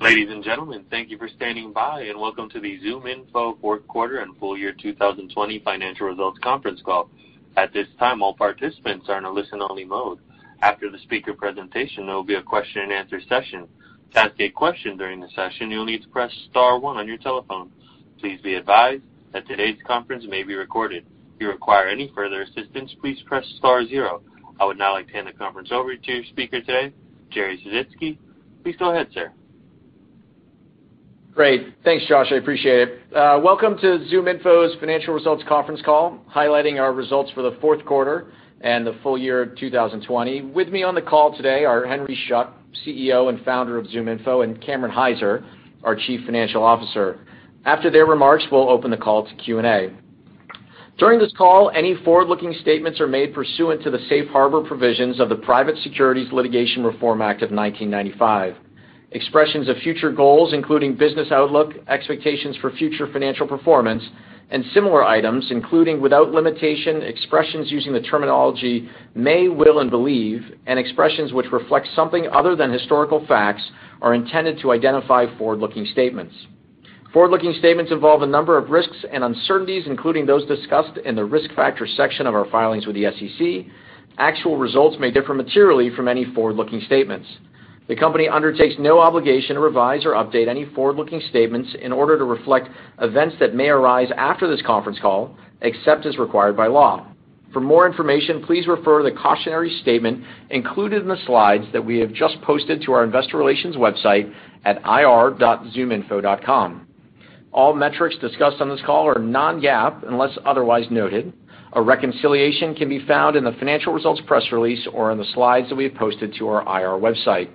Ladies and gentlemen, thank you for standing by, welcome to the ZoomInfo fourth quarter and full year 2020 financial results conference call. At this time, all participants are in a listen-only mode. After the speaker presentation, there will be a question and answer session. To ask a question during the session, you'll need to press star one on your telephone. Please be advised that today's conference may be recorded. If you require any further assistance, please press star zero. I would now like to hand the conference over to your speaker today, Jerry Sisitsky. Please go ahead, sir. Great. Thanks, Josh. I appreciate it. Welcome to ZoomInfo's financial results conference call, highlighting our results for the fourth quarter and the full year of 2020. With me on the call today are Henry Schuck, CEO and founder of ZoomInfo, and Cameron Hyzer, our Chief Financial Officer. After their remarks, we'll open the call to Q&A. During this call, any forward-looking statements are made pursuant to the safe harbor provisions of the Private Securities Litigation Reform Act of 1995. Expressions of future goals, including business outlook, expectations for future financial performance, and similar items, including without limitation, expressions using the terminology may, will, and believe, and expressions which reflect something other than historical facts, are intended to identify forward-looking statements. Forward-looking statements involve a number of risks and uncertainties, including those discussed in the Risk Factors section of our filings with the SEC. Actual results may differ materially from any forward-looking statements. The company undertakes no obligation to revise or update any forward-looking statements in order to reflect events that may arise after this conference call, except as required by law. For more information, please refer to the cautionary statement included in the slides that we have just posted to our investor relations website at ir.zoominfo.com. All metrics discussed on this call are non-GAAP, unless otherwise noted. A reconciliation can be found in the financial results press release or in the slides that we have posted to our IR website.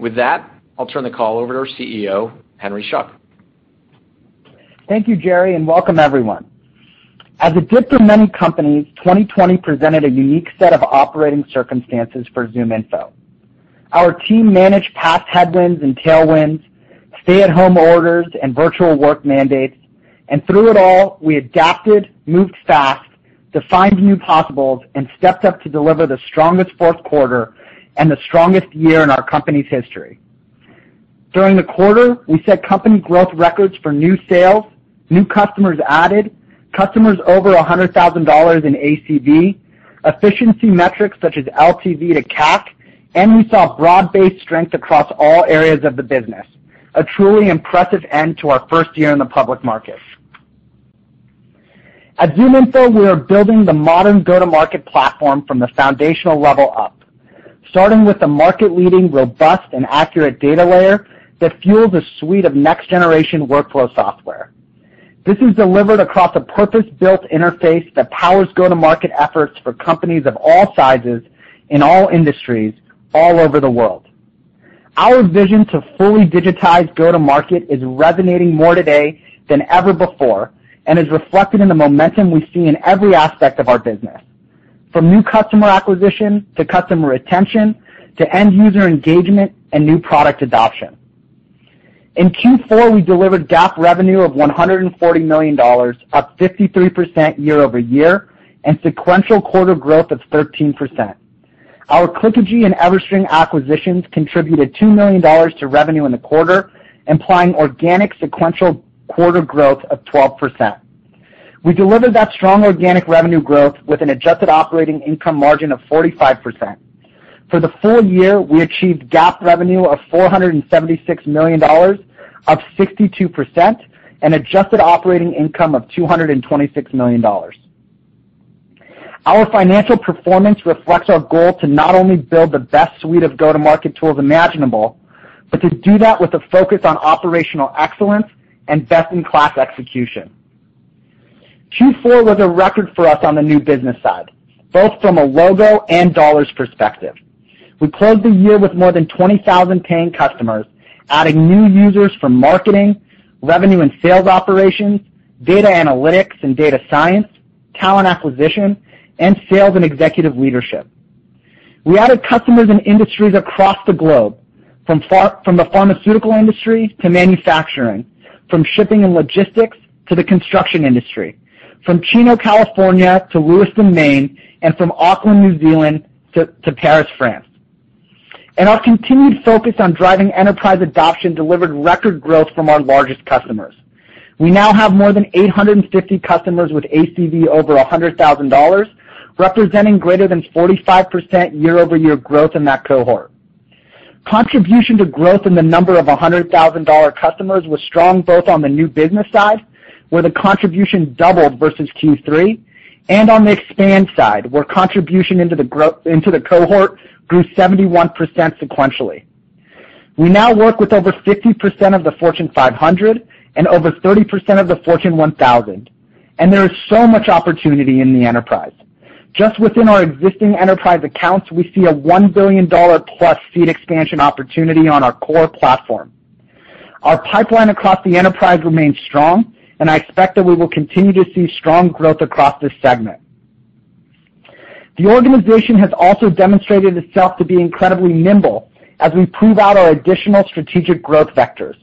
With that, I'll turn the call over to our CEO, Henry Schuck. Thank you, Jerry, and welcome everyone. As it did for many companies, 2020 presented a unique set of operating circumstances for ZoomInfo. Our team managed past headwinds and tailwinds, stay-at-home orders, and virtual work mandates. Through it all, we adapted, moved fast, defined new possibles, and stepped up to deliver the strongest fourth quarter and the strongest year in our company's history. During the quarter, we set company growth records for new sales, new customers added, customers over $100,000 in ACV, efficiency metrics such as LTV to CAC, and we saw broad-based strength across all areas of the business. A truly impressive end to our first year in the public market. At ZoomInfo, we are building the modern go-to-market platform from the foundational level up, starting with a market-leading, robust and accurate data layer that fuels a suite of next-generation workflow software. This is delivered across a purpose-built interface that powers go-to-market efforts for companies of all sizes, in all industries, all over the world. Our vision to fully digitize go-to-market is resonating more today than ever before and is reflected in the momentum we see in every aspect of our business, from new customer acquisition to customer retention, to end-user engagement and new product adoption. In Q4, we delivered GAAP revenue of $140 million, up 53% year-over-year, and sequential quarter growth of 13%. Our Clickagy and EverString acquisitions contributed $2 million to revenue in the quarter, implying organic sequential quarter growth of 12%. We delivered that strong organic revenue growth with an adjusted operating income margin of 45%. For the full year, we achieved GAAP revenue of $476 million, up 62%, and adjusted operating income of $226 million. Our financial performance reflects our goal to not only build the best suite of go-to-market tools imaginable, but to do that with a focus on operational excellence and best-in-class execution. Q4 was a record for us on the new business side, both from a logo and dollars perspective. We closed the year with more than 20,000 paying customers, adding new users from marketing, revenue and sales operations, data analytics and data science, talent acquisition, and sales and executive leadership. We added customers in industries across the globe, from the pharmaceutical industry to manufacturing, from shipping and logistics to the construction industry, from Chino, California, to Lewiston, Maine, and from Auckland, New Zealand, to Paris, France. Our continued focus on driving enterprise adoption delivered record growth from our largest customers. We now have more than 850 customers with ACV over $100,000, representing greater than 45% year-over-year growth in that cohort. Contribution to growth in the number of $100,000 customers was strong, both on the new business side, where the contribution doubled versus Q3, and on the expand side, where contribution into the cohort grew 71% sequentially. We now work with over 50% of the Fortune 500 and over 30% of the Fortune 1000. There is so much opportunity in the enterprise. Just within our existing enterprise accounts, we see a $1 billion-plus seat expansion opportunity on our core platform. Our pipeline across the enterprise remains strong. I expect that we will continue to see strong growth across this segment. The organization has also demonstrated itself to be incredibly nimble as we prove out our additional strategic growth vectors.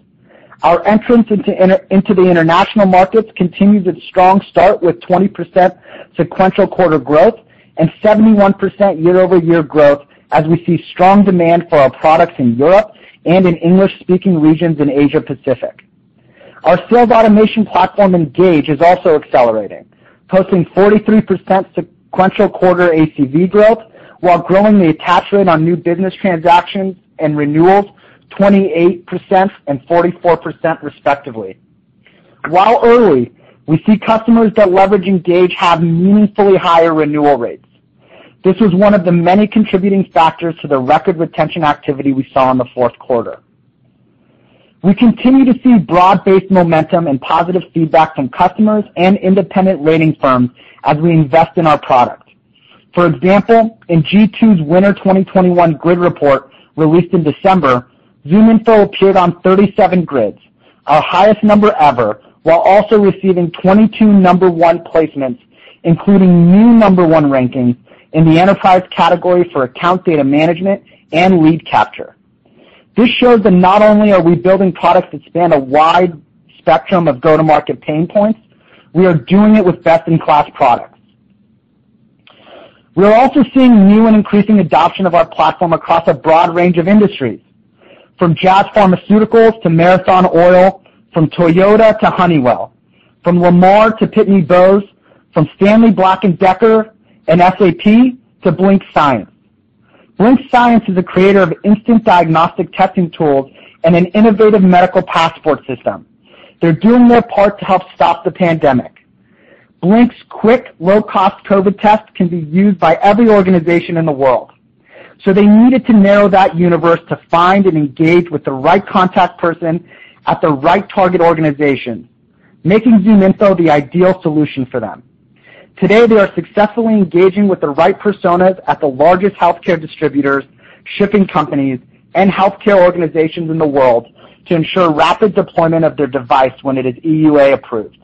Our entrance into the international markets continues its strong start with 20% sequential quarter growth and 71% year-over-year growth as we see strong demand for our products in Europe and in English-speaking regions in Asia Pacific. Our sales automation platform, Engage, is also accelerating, posting 43% sequential quarter ACV growth while growing the attach rate on new business transactions and renewals 28% and 44% respectively. While early, we see customers that leverage Engage have meaningfully higher renewal rates. This was one of the many contributing factors to the record retention activity we saw in the fourth quarter. We continue to see broad-based momentum and positive feedback from customers and independent rating firms as we invest in our product. For example, in G2's Winter 2021 Grid Report, released in December, ZoomInfo appeared on 37 grids, our highest number ever, while also receiving 22 number one placements, including new number one rankings in the enterprise category for account data management and lead capture. This shows that not only are we building products that span a wide spectrum of go-to-market pain points, we are doing it with best-in-class products. We're also seeing new and increasing adoption of our platform across a broad range of industries, from Jazz Pharmaceuticals to Marathon Oil, from Toyota to Honeywell, from Lamar to Pitney Bowes, from Stanley Black & Decker and SAP to Blink Science. Blink Science is a creator of instant diagnostic testing tools and an innovative medical passport system. They're doing their part to help stop the pandemic. Blink's quick, low-cost COVID test can be used by every organization in the world. They needed to narrow that universe to find and engage with the right contact person at the right target organization, making ZoomInfo the ideal solution for them. Today, they are successfully engaging with the right personas at the largest healthcare distributors, shipping companies, and healthcare organizations in the world to ensure rapid deployment of their device when it is EUA approved.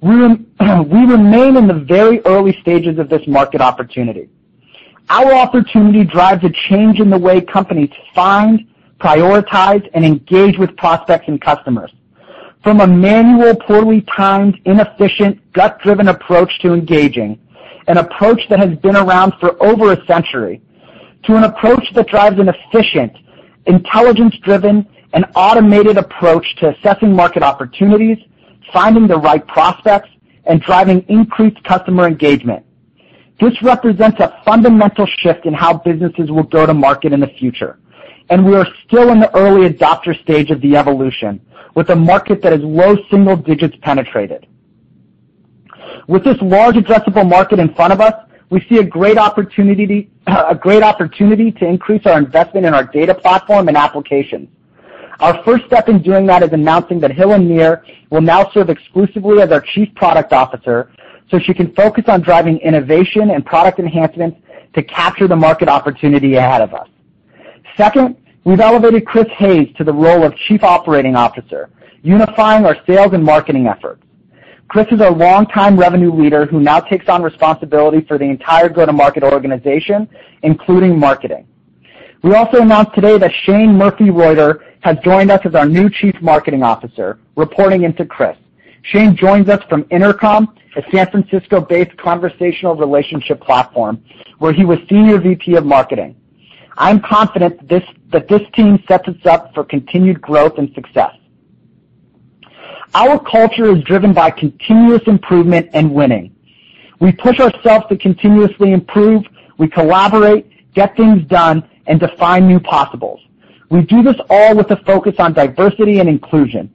We remain in the very early stages of this market opportunity. Our opportunity drives a change in the way companies find, prioritize, and engage with prospects and customers. From a manual, poorly timed, inefficient, gut-driven approach to engaging, an approach that has been around for over a century, to an approach that drives an efficient, intelligence-driven, and automated approach to assessing market opportunities, finding the right prospects, and driving increased customer engagement. This represents a fundamental shift in how businesses will go to market in the future, and we are still in the early adopter stage of the evolution, with a market that is low single digits penetrated. With this large addressable market in front of us, we see a great opportunity to increase our investment in our data platform and application. Our first step in doing that is announcing that Hila Nir will now serve exclusively as our Chief Product Officer so she can focus on driving innovation and product enhancements to capture the market opportunity ahead of us. Second, we've elevated Chris Hays to the role of Chief Operating Officer, unifying our sales and marketing efforts. Chris is a longtime revenue leader who now takes on responsibility for the entire go-to-market organization, including marketing. We also announced today that Shane Murphy-Reuter has joined us as our new chief marketing officer, reporting into Chris. Shane joins us from Intercom, a San Francisco-based conversational relationship platform, where he was senior VP of marketing. I'm confident that this team sets us up for continued growth and success. Our culture is driven by continuous improvement and winning. We push ourselves to continuously improve, we collaborate, get things done, and define new possibles. We do this all with a focus on diversity and inclusion.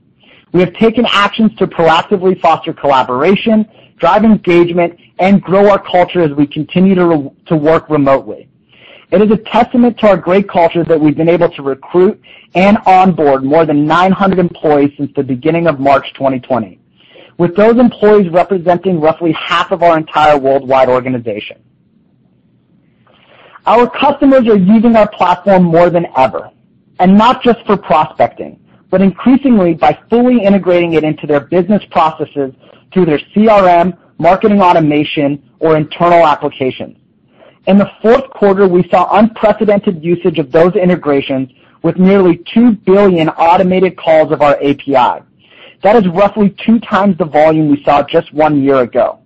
We have taken actions to proactively foster collaboration, drive engagement, and grow our culture as we continue to work remotely. It is a testament to our great culture that we've been able to recruit and onboard more than 900 employees since the beginning of March 2020, with those employees representing roughly half of our entire worldwide organization. Our customers are using our platform more than ever, and not just for prospecting, but increasingly by fully integrating it into their business processes through their CRM, marketing automation, or internal applications. In the fourth quarter, we saw unprecedented usage of those integrations with nearly two billion automated calls of our API. That is roughly two times the volume we saw just one year ago.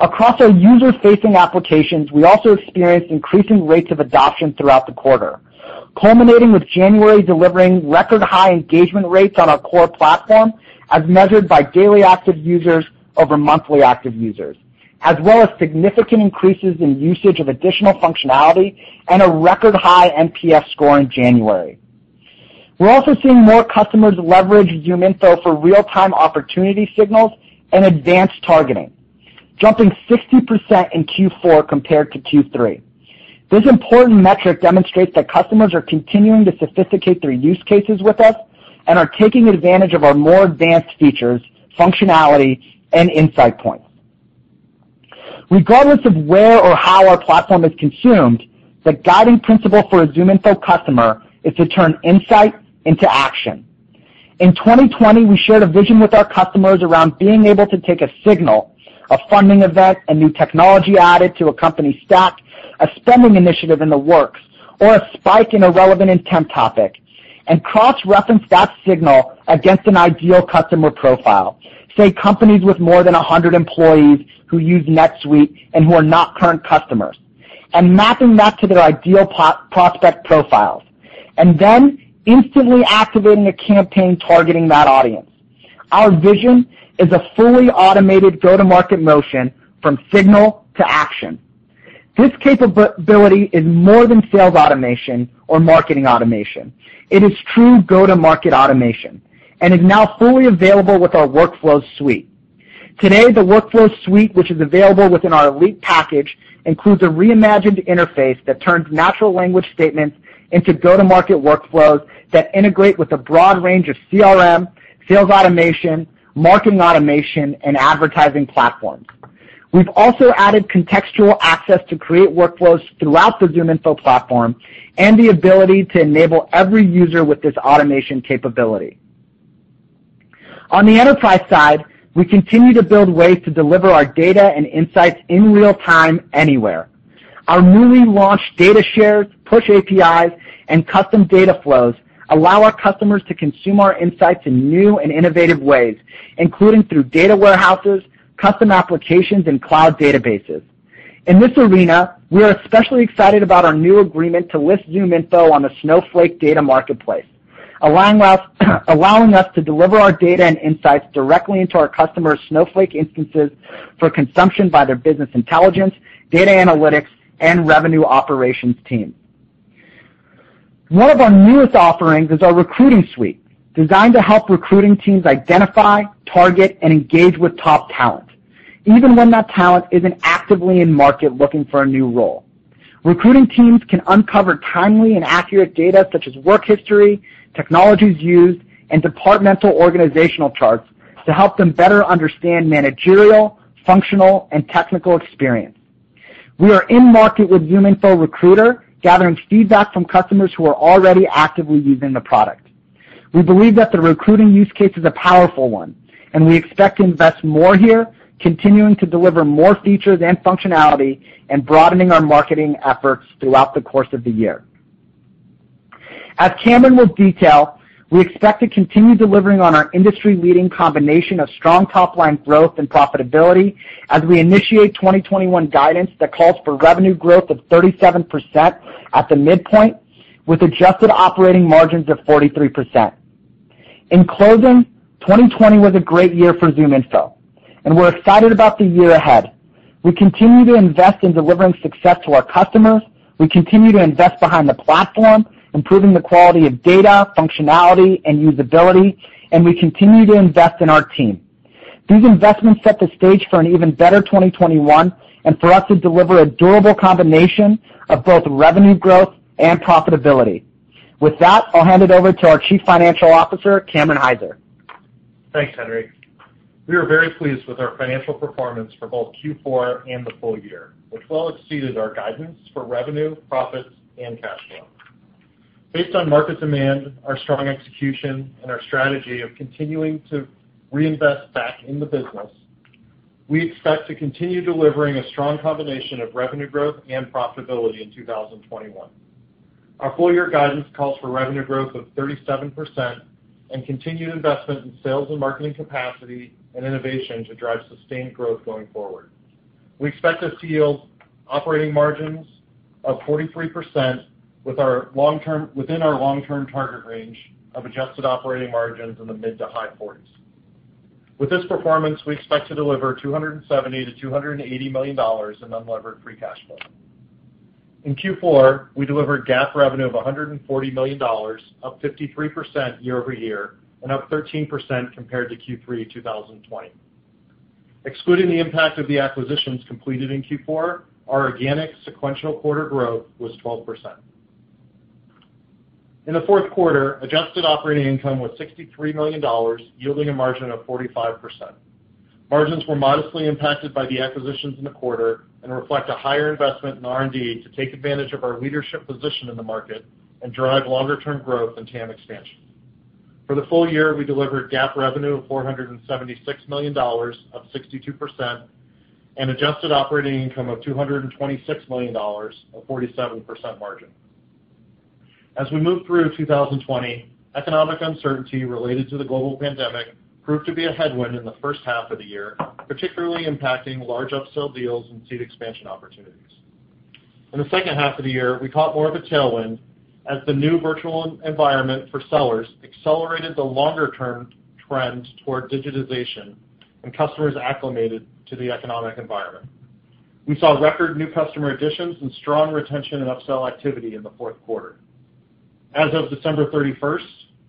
Across our user-facing applications, we also experienced increasing rates of adoption throughout the quarter, culminating with January delivering record high engagement rates on our core platform, as measured by daily active users over monthly active users, as well as significant increases in usage of additional functionality and a record high NPS score in January. We're also seeing more customers leverage ZoomInfo for real-time opportunity signals and advanced targeting, jumping 60% in Q4 compared to Q3. This important metric demonstrates that customers are continuing to sophisticate their use cases with us and are taking advantage of our more advanced features, functionality, and insight points. Regardless of where or how our platform is consumed, the guiding principle for a ZoomInfo customer is to turn insight into action. In 2020, we shared a vision with our customers around being able to take a signal, a funding event, a new technology added to a company stack, spending initiative in the works, or a spike in a relevant intent topic, and cross-reference that signal against an ideal customer profile, say, companies with more than 100 employees who use NetSuite and who are not current customers, and mapping that to their ideal prospect profiles, and then instantly activating a campaign targeting that audience. Our vision is a fully automated go-to-market motion from signal to action. This capability is more than sales automation or marketing automation. It is true go-to-market automation and is now fully available with our workflow suite. Today, the workflow suite, which is available within our elite package, includes a reimagined interface that turns natural language statements into go-to-market workflows that integrate with a broad range of CRM, sales automation, marketing automation, and advertising platforms. We've also added contextual access to create workflows throughout the ZoomInfo platform and the ability to enable every user with this automation capability. On the enterprise side, we continue to build ways to deliver our data and insights in real time anywhere. Our newly launched data shares, push APIs, and custom data flows allow our customers to consume our insights in new and innovative ways, including through data warehouses, custom applications, and cloud databases. In this arena, we are especially excited about our new agreement to list ZoomInfo on the Snowflake Data arketplace, allowing us to deliver our data and insights directly into our customers' Snowflake instances for consumption by their business intelligence, data analytics, and revenue operations team. One of our newest offerings is our recruiting suite, designed to help recruiting teams identify, target, and engage with top talent, even when that talent isn't actively in market looking for a new role. Recruiting teams can uncover timely and accurate data, such as work history, technologies used, and departmental organizational charts to help them better understand managerial, functional, and technical experience. We are in market with ZoomInfo Recruiter, gathering feedback from customers who are already actively using the product. We believe that the recruiting use case is a powerful one, and we expect to invest more here, continuing to deliver more features and functionality and broadening our marketing efforts throughout the course of the year. As Cameron will detail, we expect to continue delivering on our industry-leading combination of strong top-line growth and profitability as we initiate 2021 guidance that calls for revenue growth of 37% at the midpoint, with adjusted operating margins of 43%. In closing, 2020 was a great year for ZoomInfo, and we're excited about the year ahead. We continue to invest in delivering success to our customers. We continue to invest behind the platform, improving the quality of data, functionality, and usability, and we continue to invest in our team. These investments set the stage for an even better 2021 and for us to deliver a durable combination of both revenue growth and profitability. With that, I'll hand it over to our Chief Financial Officer, Cameron Hyzer. Thanks, Henry. We are very pleased with our financial performance for both Q4 and the full year, which well exceeded our guidance for revenue, profits, and cash flow. Based on market demand, our strong execution, and our strategy of continuing to reinvest back in the business, we expect to continue delivering a strong combination of revenue growth and profitability in 2021. Our full-year guidance calls for revenue growth of 37% and continued investment in sales and marketing capacity and innovation to drive sustained growth going forward. We expect this to yield operating margins of 43% within our long-term target range of adjusted operating margins in the mid to high 40s. With this performance, we expect to deliver $270 million-$280 million in unlevered free cash flow. In Q4, we delivered GAAP revenue of $140 million, up 53% year-over-year and up 13% compared to Q3 2020. Excluding the impact of the acquisitions completed in Q4, our organic sequential quarter growth was 12%. In the fourth quarter, adjusted operating income was $63 million, yielding a margin of 45%. Margins were modestly impacted by the acquisitions in the quarter and reflect a higher investment in R&D to take advantage of our leadership position in the market and drive longer-term growth and TAM expansion. For the full year, we delivered GAAP revenue of $476 million, up 62%, and adjusted operating income of $226 million, a 47% margin. As we moved through 2020, economic uncertainty related to the global pandemic proved to be a headwind in the first half of the year, particularly impacting large upsell deals and seed expansion opportunities. In the second half of the year, we caught more of a tailwind as the new virtual environment for sellers accelerated the longer-term trend toward digitization and customers acclimated to the economic environment. We saw record new customer additions and strong retention and upsell activity in the fourth quarter. As of December 31st,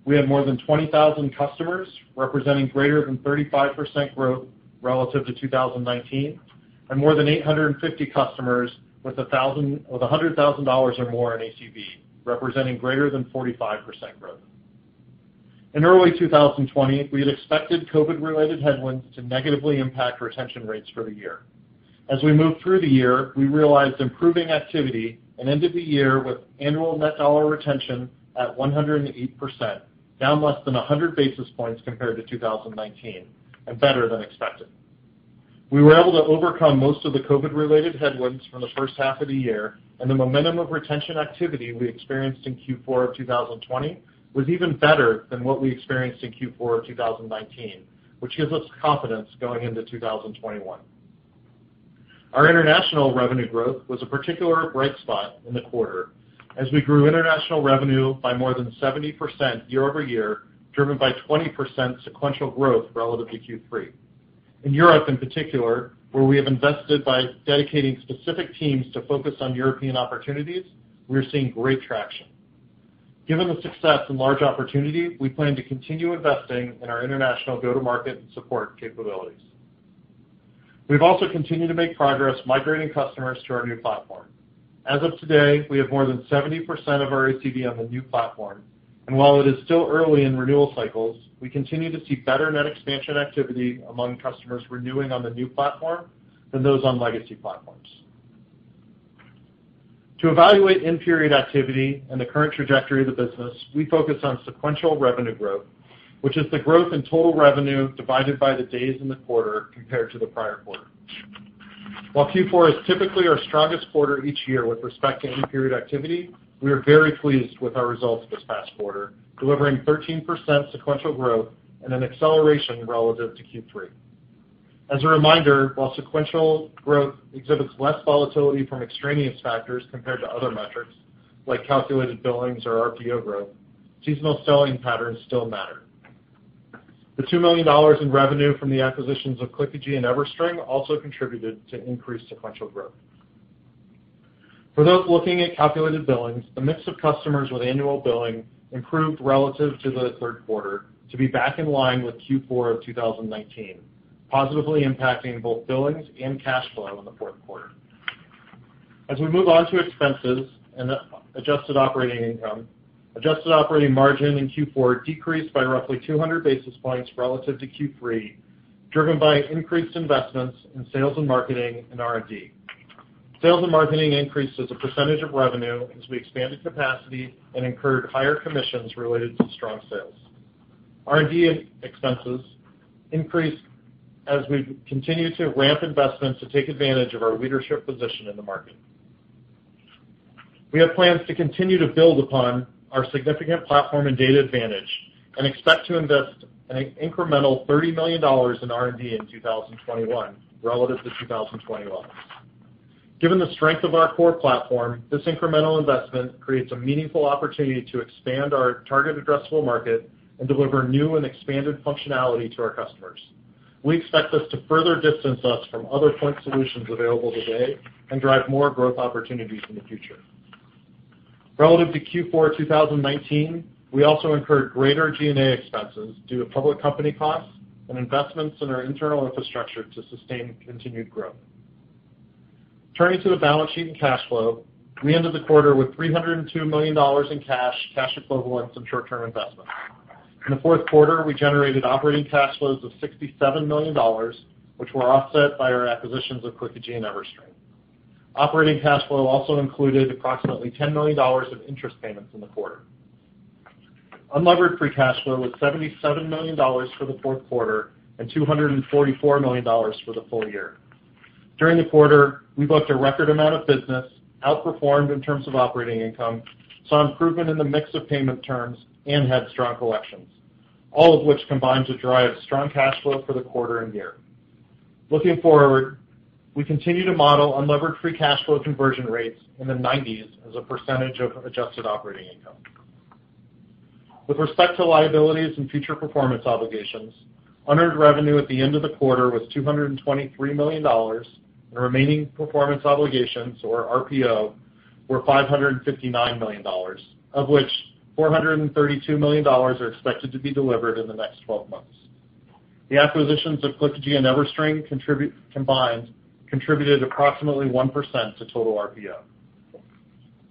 we had more than 20,000 customers, representing greater than 35% growth relative to 2019, and more than 850 customers with $100,000 or more in ACV, representing greater than 45% growth. In early 2020, we had expected COVID-related headwinds to negatively impact retention rates for the year. As we moved through the year, we realized improving activity and ended the year with annual net dollar retention at 108%, down less than 100 basis points compared to 2019, and better than expected. We were able to overcome most of the COVID-related headwinds from the first half of the year, and the momentum of retention activity we experienced in Q4 of 2020 was even better than what we experienced in Q4 of 2019, which gives us confidence going into 2021. Our international revenue growth was a particular bright spot in the quarter as we grew international revenue by more than 70% year-over-year, driven by 20% sequential growth relative to Q3. In Europe in particular, where we have invested by dedicating specific teams to focus on European opportunities, we are seeing great traction. Given the success and large opportunity, we plan to continue investing in our international go-to-market and support capabilities. We've also continued to make progress migrating customers to our new platform. As of today, we have more than 70% of our ACV on the new platform, and while it is still early in renewal cycles, we continue to see better net expansion activity among customers renewing on the new platform than those on legacy platforms. To evaluate in-period activity and the current trajectory of the business, we focus on sequential revenue growth, which is the growth in total revenue divided by the days in the quarter compared to the prior quarter. While Q4 is typically our strongest quarter each year with respect to in-period activity, we are very pleased with our results this past quarter, delivering 13% sequential growth and an acceleration relative to Q3. As a reminder, while sequential growth exhibits less volatility from extraneous factors compared to other metrics like calculated billings or RPO growth, seasonal selling patterns still matter. The $2 million in revenue from the acquisitions of Clickagy and EverString also contributed to increased sequential growth. For those looking at calculated billings, the mix of customers with annual billing improved relative to the third quarter to be back in line with Q4 of 2019, positively impacting both billings and cash flow in the fourth quarter. As we move on to expenses and adjusted operating income, adjusted operating margin in Q4 decreased by roughly 200 basis points relative to Q3, driven by increased investments in sales and marketing and R&D. Sales and marketing increased as a percentage of revenue as we expanded capacity and incurred higher commissions related to strong sales. R&D expenses increased as we continue to ramp investments to take advantage of our leadership position in the market. We have plans to continue to build upon our significant platform and data advantage and expect to invest an incremental $30 million in R&D in 2021 relative to 2020 levels. Given the strength of our core platform, this incremental investment creates a meaningful opportunity to expand our target addressable market and deliver new and expanded functionality to our customers. We expect this to further distance us from other point solutions available today and drive more growth opportunities in the future. Relative to Q4 2019, we also incurred greater G&A expenses due to public company costs and investments in our internal infrastructure to sustain continued growth. Turning to the balance sheet and cash flow, we ended the quarter with $302 million in cash equivalents, and short-term investments. In the fourth quarter, we generated operating cash flows of $67 million, which were offset by our acquisitions of Clickagy and EverString. Operating cash flow also included approximately $10 million of interest payments in the quarter. Unlevered free cash flow was $77 million for the fourth quarter and $244 million for the full year. During the quarter, we booked a record amount of business, outperformed in terms of operating income, saw improvement in the mix of payment terms, and had strong collections, all of which combined to drive strong cash flow for the quarter and year. Looking forward, we continue to model unlevered free cash flow conversion rates in the 90s as a percentage of adjusted operating income. With respect to liabilities and future performance obligations, unearned revenue at the end of the quarter was $223 million, and remaining performance obligations, or RPO, were $559 million, of which $432 million are expected to be delivered in the next 12 months. The acquisitions of Clickagy and EverString combined contributed approximately 1% to total RPO.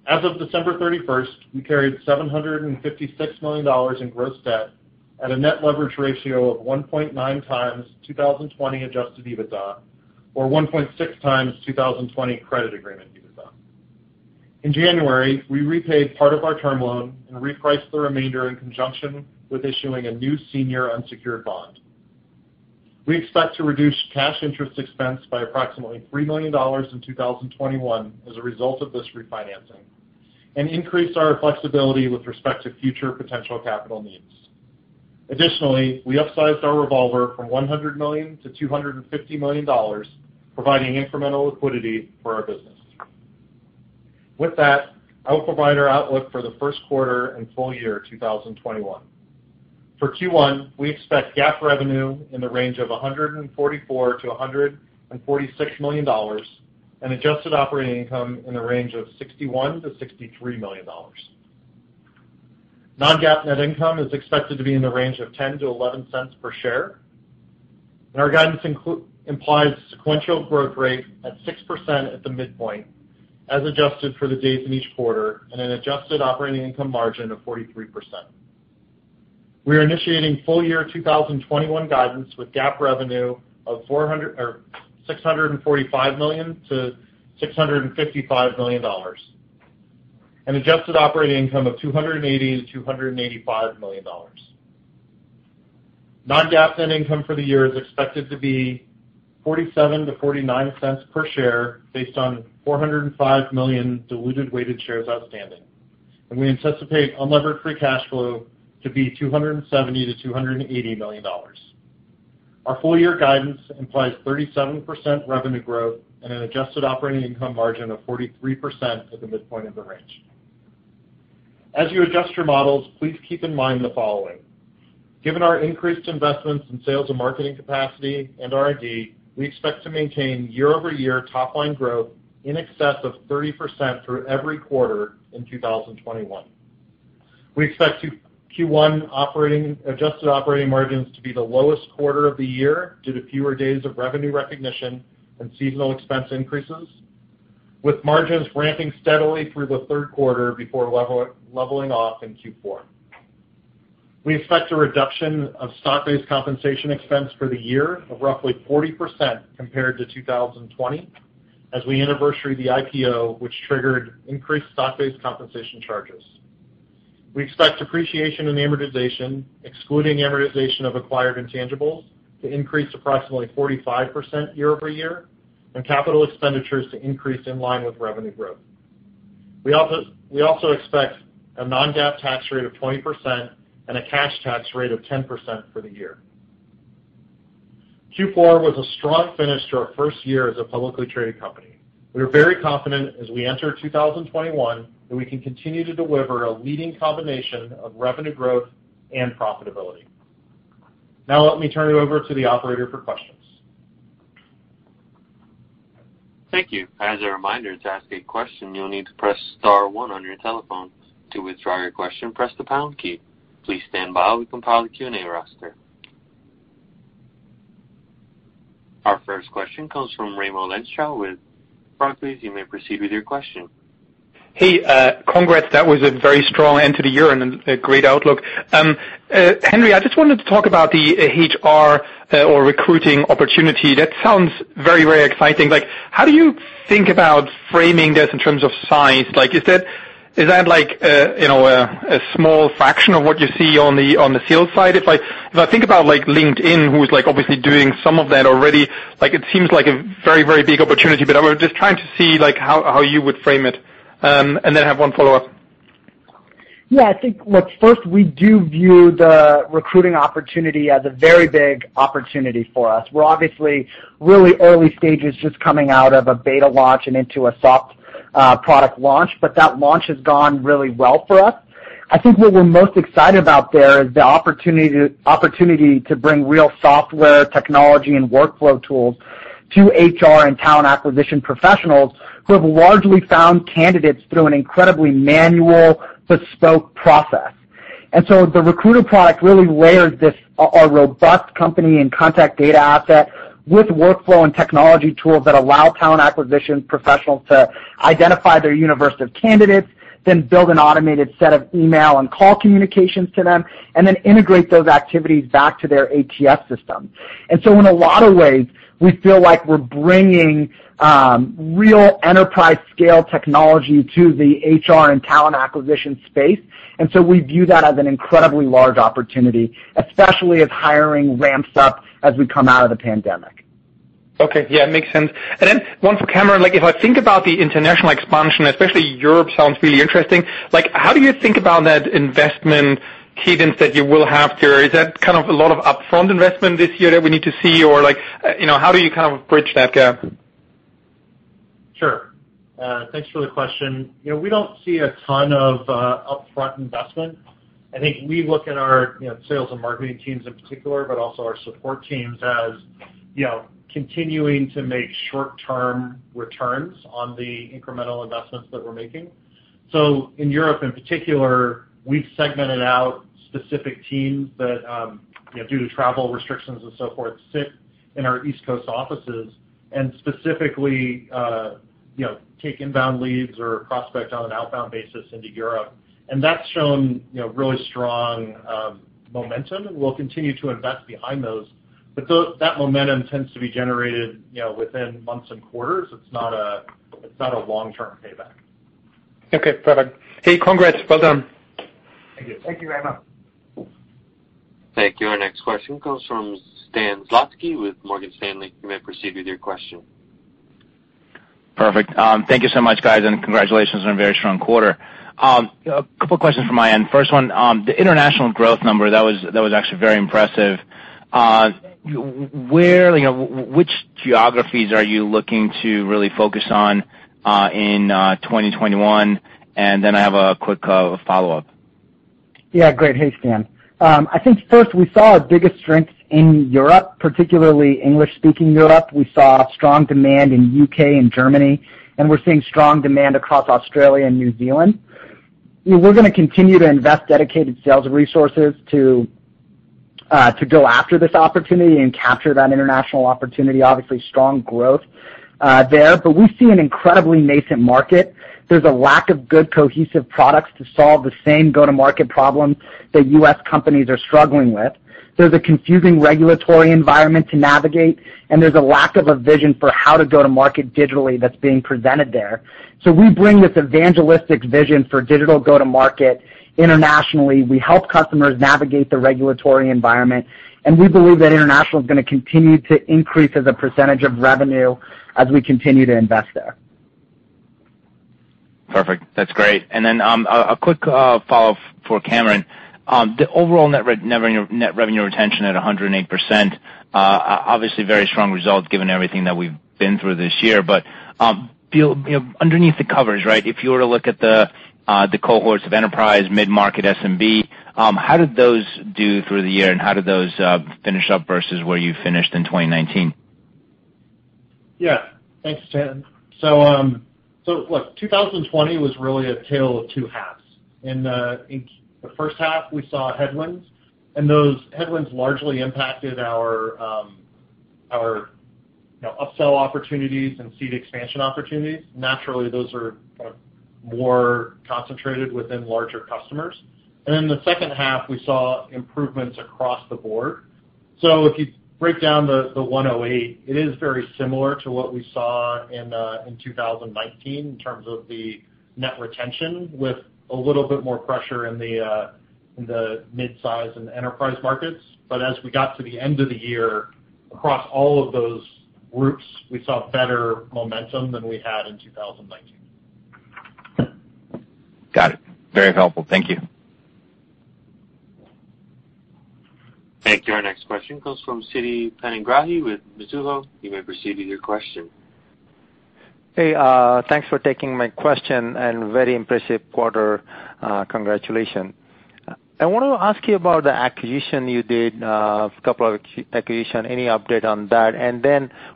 As of December 31st, we carried $756 million in gross debt at a net leverage ratio of 1.9 times 2020 adjusted EBITDA, or 1.6 times 2020 credit agreement EBITDA. In January, we repaid part of our term loan and repriced the remainder in conjunction with issuing a new senior unsecured bond. We expect to reduce cash interest expense by approximately $3 million in 2021 as a result of this refinancing and increase our flexibility with respect to future potential capital needs. Additionally, we upsized our revolver from $100 million-$250 million, providing incremental liquidity for our business. With that, I will provide our outlook for the first quarter and full year 2021. For Q1, we expect GAAP revenue in the range of $144 million-$146 million and adjusted operating income in the range of $61 million-$63 million. Non-GAAP net income is expected to be in the range of $0.10-$0.11 per share. Our guidance implies sequential growth rate at 6% at the midpoint as adjusted for the days in each quarter and an adjusted operating income margin of 43%. We are initiating full-year 2021 guidance with GAAP revenue of $645 million-$655 million. Adjusted operating income of $280 million-$285 million. Non-GAAP net income for the year is expected to be $0.47-$0.49 per share, based on 405 million diluted weighted shares outstanding. We anticipate unlevered free cash flow to be $270 million-$280 million. Our full-year guidance implies 37% revenue growth and an adjusted operating income margin of 43% at the midpoint of the range. As you adjust your models, please keep in mind the following. Given our increased investments in sales and marketing capacity and R&D, we expect to maintain year-over-year top-line growth in excess of 30% through every quarter in 2021. We expect Q1 adjusted operating margins to be the lowest quarter of the year due to fewer days of revenue recognition and seasonal expense increases, with margins ramping steadily through the third quarter before leveling off in Q4. We expect a reduction of stock-based compensation expense for the year of roughly 40% compared to 2020, as we anniversary the IPO, which triggered increased stock-based compensation charges. We expect depreciation and amortization, excluding amortization of acquired intangibles, to increase approximately 45% year-over-year, and capital expenditures to increase in line with revenue growth. We also expect a non-GAAP tax rate of 20% and a cash tax rate of 10% for the year. Q4 was a strong finish to our first year as a publicly traded company. We are very confident as we enter 2021 that we can continue to deliver a leading combination of revenue growth and profitability. Let me turn you over to the operator for questions. Thank you. As a reminder, to ask a question, you'll need to press *1 on your telephone. To withdraw your question, press the # key. Please stand by while we compile the Q&A roster. Our first question comes from Raimo Lenschow with Barclays. You may proceed with your question. Hey, congrats. That was a very strong end to the year and a great outlook. Henry, I just wanted to talk about the HR or recruiting opportunity. That sounds very exciting. How do you think about framing this in terms of size? Is that a small fraction of what you see on the sales side? If I think about LinkedIn, who is obviously doing some of that already, it seems like a very big opportunity. I'm just trying to see how you would frame it, and then have one follow-up. Yeah, I think, look, first, we do view the recruiting opportunity as a very big opportunity for us. We're obviously really early stages, just coming out of a beta launch and into a soft product launch, but that launch has gone really well for us. I think what we're most excited about there is the opportunity to bring real software technology and workflow tools to HR and talent acquisition professionals who have largely found candidates through an incredibly manual bespoke process. The recruiter product really layers our robust company and contact data asset with workflow and technology tools that allow talent acquisition professionals to identify their universe of candidates, then build an automated set of email and call communications to them, and then integrate those activities back to their ATS system. In a lot of ways, we feel like we're bringing real enterprise-scale technology to the HR and talent acquisition space, and so we view that as an incredibly large opportunity, especially as hiring ramps up as we come out of the pandemic. Okay. Yeah, it makes sense. Then one for Cameron, if I think about the international expansion, especially Europe sounds really interesting. How do you think about that investment cadence that you will have there? Is that a lot of upfront investment this year that we need to see, or how do you bridge that gap? Sure. Thanks for the question. We don't see a ton of upfront investment. I think we look at our sales and marketing teams in particular, but also our support teams as continuing to make short-term returns on the incremental investments that we're making. In Europe in particular, we've segmented out specific teams that, due to travel restrictions and so forth, sit in our East Coast offices and specifically take inbound leads or prospect on an outbound basis into Europe. That's shown really strong momentum, and we'll continue to invest behind those. That momentum tends to be generated within months and quarters. It's not a long-term payback. Okay, perfect. Hey, congrats. Well done. Thank you. Thank you, Raimo. Thank you. Our next question comes from Stan Zlotsky with Morgan Stanley. You may proceed with your question. Perfect. Thank you so much, guys. Congratulations on a very strong quarter. A couple questions from my end. First one, the international growth number, that was actually very impressive. Which geographies are you looking to really focus on in 2021? I have a quick follow-up. Yeah, great. Hey, Stan. I think first we saw our biggest strength in Europe, particularly English-speaking Europe. We saw strong demand in U.K. and Germany, and we're seeing strong demand across Australia and New Zealand. We're going to continue to invest dedicated sales resources to go after this opportunity and capture that international opportunity. Obviously, strong growth there, but we see an incredibly nascent market. There's a lack of good, cohesive products to solve the same go-to-market problems that U.S. companies are struggling with. There's a confusing regulatory environment to navigate, and there's a lack of a vision for how to go to market digitally that's being presented there. We bring this evangelistic vision for digital go-to-market internationally. We help customers navigate the regulatory environment, and we believe that international is going to continue to increase as a percentage of revenue as we continue to invest there. Perfect. That's great. Then, a quick follow-up for Cameron. The overall net revenue retention at 108%, obviously very strong results given everything that we've been through this year. Underneath the covers, if you were to look at the cohorts of enterprise, mid-market, SMB, how did those do through the year, and how did those finish up versus where you finished in 2019? Yeah. Thanks, Stan. Look, 2020 was really a tale of two halves. In the first half, we saw headwinds, and those headwinds largely impacted our upsell opportunities and seed expansion opportunities. Naturally, those are more concentrated within larger customers. In the second half, we saw improvements across the board. If you break down the 108, it is very similar to what we saw in 2019 in terms of the net retention, with a little bit more pressure in the midsize and enterprise markets. But as we got to the end of the year, across all of those groups, we saw better momentum than we had in 2019. Got it. Very helpful. Thank you. Thank you. Our next question comes from Siti Panigrahi with Mizuho. You may proceed with your question. Hey, thanks for taking my question, and very impressive quarter. Congratulations. I want to ask you about the acquisition you did, a couple of acquisitions. Any update on that?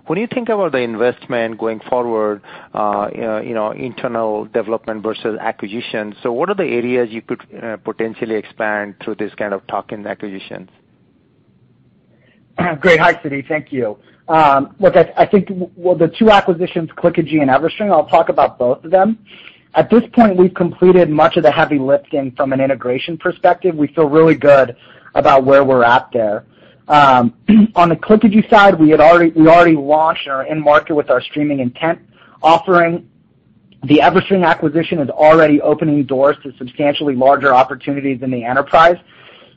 When you think about the investment going forward, internal development versus acquisition. What are the areas you could potentially expand through this kind of tuck-in acquisitions? Great. Hi, Siti. Thank you. Look, I think, well, the two acquisitions, Clickagy and EverString, I'll talk about both of them. At this point, we've completed much of the heavy lifting from an integration perspective. We feel really good about where we're at there. On the Clickagy side, we already launched and are in market with our streaming intent offering. The EverString acquisition is already opening doors to substantially larger opportunities in the enterprise,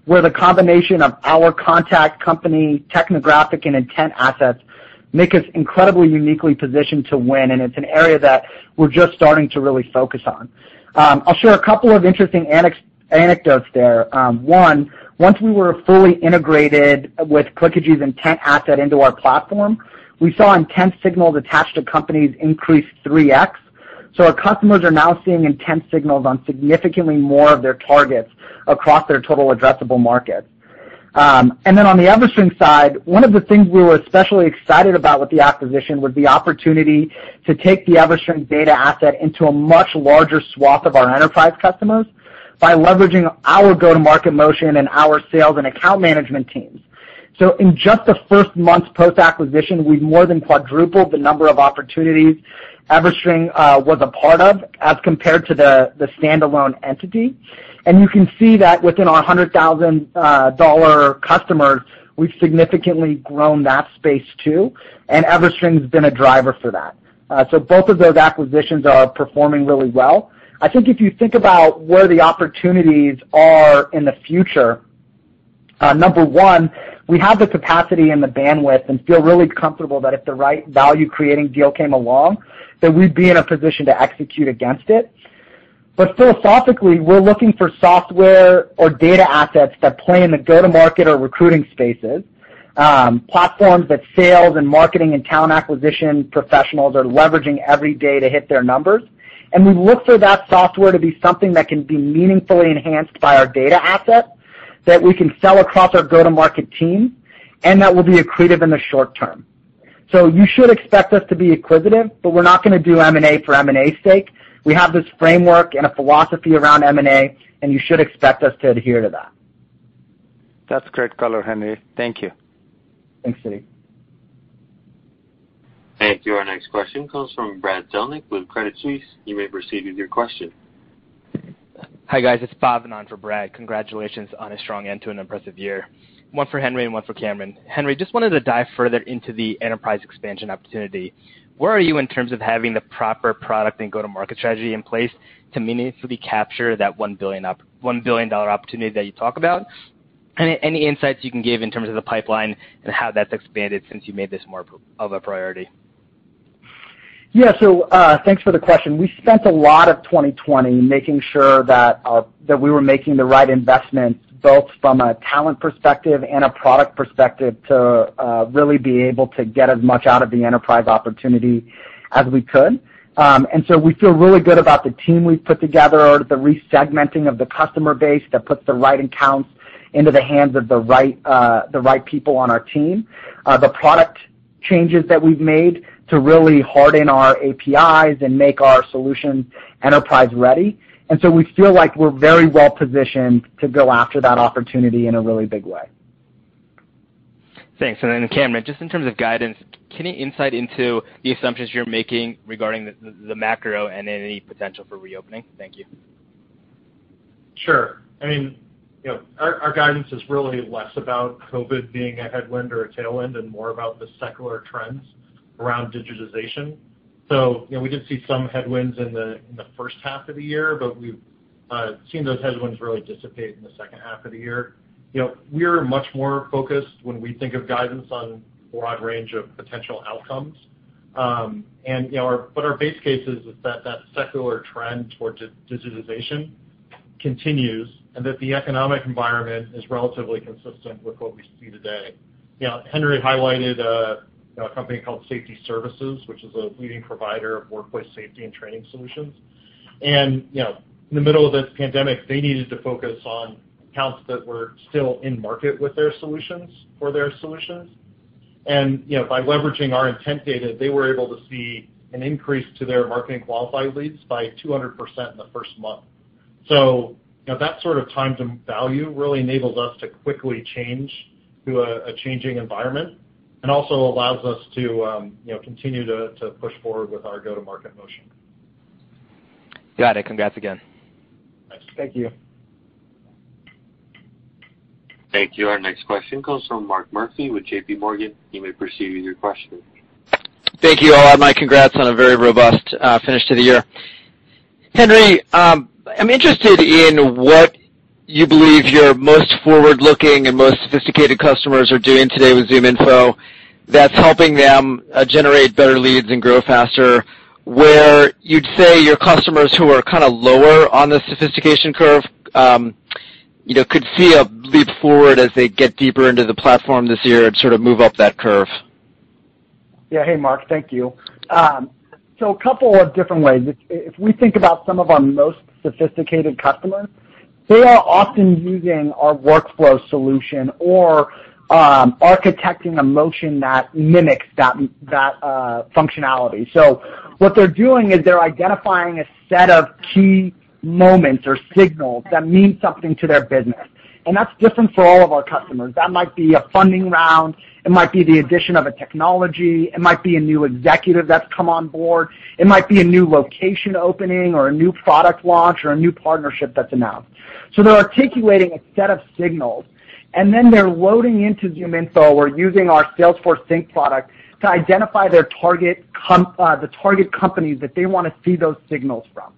where the combination of our contact company, technographic, and intent assets make us incredibly uniquely positioned to win, and it's an area that we're just starting to really focus on. I'll share a couple of interesting anecdotes there. One, once we were fully integrated with Clickagy's intent asset into our platform, we saw intent signals attached to companies increase 3x. Our customers are now seeing intent signals on significantly more of their targets across their total addressable market. On the EverString side, one of the things we were especially excited about with the acquisition was the opportunity to take the EverString data asset into a much larger swath of our enterprise customers by leveraging our go-to-market motion and our sales and account management teams. In just the first month post-acquisition, we've more than quadrupled the number of opportunities EverString was a part of as compared to the standalone entity. You can see that within our $100,000 customers, we've significantly grown that space, too, and EverString's been a driver for that. Both of those acquisitions are performing really well. I think if you think about where the opportunities are in the future, number one, we have the capacity and the bandwidth and feel really comfortable that if the right value-creating deal came along, that we'd be in a position to execute against it. Philosophically, we're looking for software or data assets that play in the go-to-market or recruiting spaces, platforms that sales and marketing and talent acquisition professionals are leveraging every day to hit their numbers. We look for that software to be something that can be meaningfully enhanced by our data asset that we can sell across our go-to-market team, and that will be accretive in the short term. You should expect us to be acquisitive, but we're not going to do M&A for M&A's sake. We have this framework and a philosophy around M&A, and you should expect us to adhere to that. That's great color, Henry. Thank you. Thanks, Siti. Thank you. Our next question comes from Brad Zelnick with Credit Suisse. You may proceed with your question. Hi, guys. It's Bhavin on for Brad. Congratulations on a strong end to an impressive year. One for Henry and one for Cameron. Henry, just wanted to dive further into the enterprise expansion opportunity. Where are you in terms of having the proper product and go-to-market strategy in place to meaningfully capture that $1 billion opportunity that you talk about? Any insights you can give in terms of the pipeline and how that's expanded since you made this more of a priority? Yeah. Thanks for the question. We spent a lot of 2020 making sure that we were making the right investments, both from a talent perspective and a product perspective, to really be able to get as much out of the enterprise opportunity as we could. We feel really good about the team we've put together, the re-segmenting of the customer base that puts the right accounts into the hands of the right people on our team, the product changes that we've made to really harden our APIs and make our solution enterprise-ready. We feel like we're very well-positioned to go after that opportunity in a really big way. Thanks. Cameron, just in terms of guidance, can you insight into the assumptions you're making regarding the macro and any potential for reopening? Thank you. Sure. Our guidance is really less about COVID being a headwind or a tailwind and more about the secular trends around digitization. We did see some headwinds in the first half of the year, but we've seen those headwinds really dissipate in the second half of the year. We're much more focused when we think of guidance on a broad range of potential outcomes. Our base case is that that secular trend towards digitization continues, and that the economic environment is relatively consistent with what we see today. Henry highlighted a company called Safety Services, which is a leading provider of workplace safety and training solutions. In the middle of this pandemic, they needed to focus on accounts that were still in market with their solutions, for their solutions. By leveraging our intent data, they were able to see an increase to their marketing qualified leads by 200% in the first month. That sort of time to value really enables us to quickly change to a changing environment, and also allows us to continue to push forward with our go-to-market motion. Got it. Congrats again. Thanks. Thank you. Thank you. Our next question comes from Mark Murphy with JPMorgan. You may proceed with your question. Thank you. I'll add my congrats on a very robust finish to the year. Henry, I'm interested in what you believe your most forward-looking and most sophisticated customers are doing today with ZoomInfo that's helping them generate better leads and grow faster, where you'd say your customers who are kind of lower on the sophistication curve could see a leap forward as they get deeper into the platform this year and sort of move up that curve. Yeah. Hey, Mark. Thank you. A couple of different ways. If we think about some of our most sophisticated customers, they are often using our workflow solution or architecting a motion that mimics that functionality. What they're doing is they're identifying a set of key moments or signals that mean something to their business, and that's different for all of our customers. That might be a funding round, it might be the addition of a technology, it might be a new executive that's come on board, it might be a new location opening or a new product launch or a new partnership that's announced. They're articulating a set of signals, and then they're loading into ZoomInfo or using our Salesforce Sync product to identify the target companies that they want to see those signals from.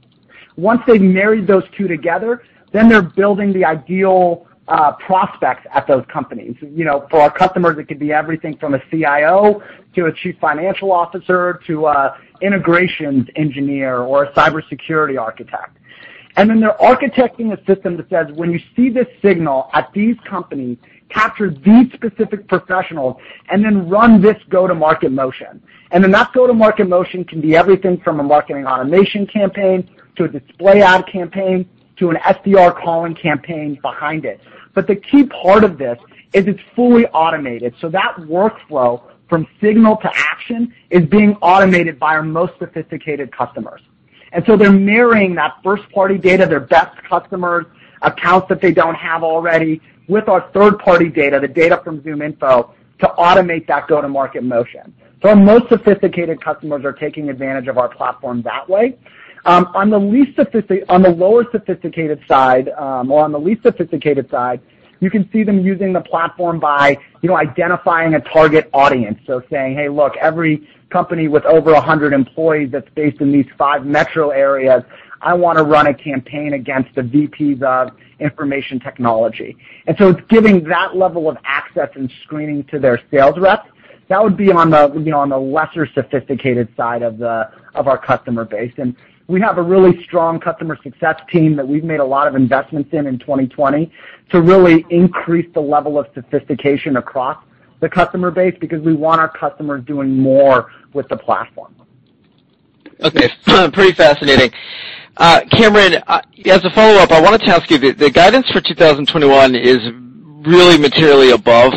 Once they've married those two together, then they're building the ideal prospects at those companies. For our customers, it could be everything from a CIO to a chief financial officer to a integrations engineer or a cybersecurity architect. They're architecting a system that says, "When you see this signal at these companies, capture these specific professionals and then run this go-to-market motion." That go-to-market motion can be everything from a marketing automation campaign to a display ad campaign to an SDR calling campaign behind it. The key part of this is it's fully automated. That workflow from signal to action is being automated by our most sophisticated customers. They're marrying that first-party data, their best customers, accounts that they don't have already, with our third-party data, the data from ZoomInfo, to automate that go-to-market motion. Our most sophisticated customers are taking advantage of our platform that way. On the lower sophisticated side, or on the least sophisticated side, you can see them using the platform by identifying a target audience. Saying, "Hey, look, every company with over 100 employees that's based in these five metro areas, I want to run a campaign against the VPs of information technology." It's giving that level of access and screening to their sales rep. That would be on the lesser sophisticated side of our customer base. We have a really strong customer success team that we've made a lot of investments in 2020 to really increase the level of sophistication across the customer base because we want our customers doing more with the platform. Okay. Pretty fascinating. Cameron, as a follow-up, I wanted to ask you, the guidance for 2021 is really materially above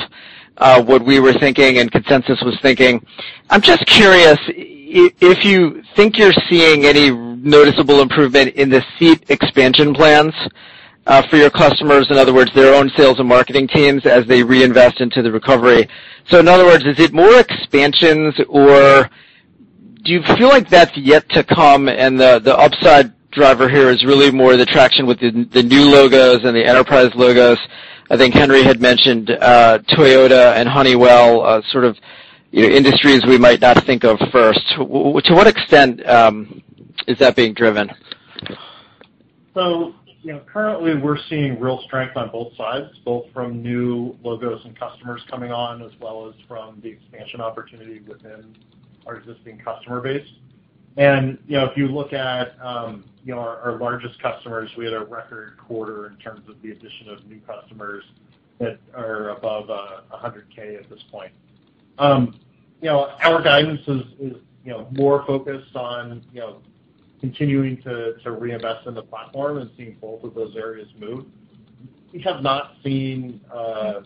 what we were thinking and consensus was thinking. I'm just curious if you think you're seeing any noticeable improvement in the seat expansion plans for your customers, in other words, their own sales and marketing teams as they reinvest into the recovery. In other words, is it more expansions, or do you feel like that's yet to come and the upside driver here is really more the traction with the new logos and the enterprise logos? I think Henry had mentioned Toyota and Honeywell, sort of industries we might not think of first. To what extent is that being driven? Currently, we're seeing real strength on both sides, both from new logos and customers coming on, as well as from the expansion opportunity within our existing customer base. If you look at our largest customers, we had a record quarter in terms of the addition of new customers that are above $100K at this point. Our guidance is more focused on continuing to reinvest in the platform and seeing both of those areas move. We have not seen a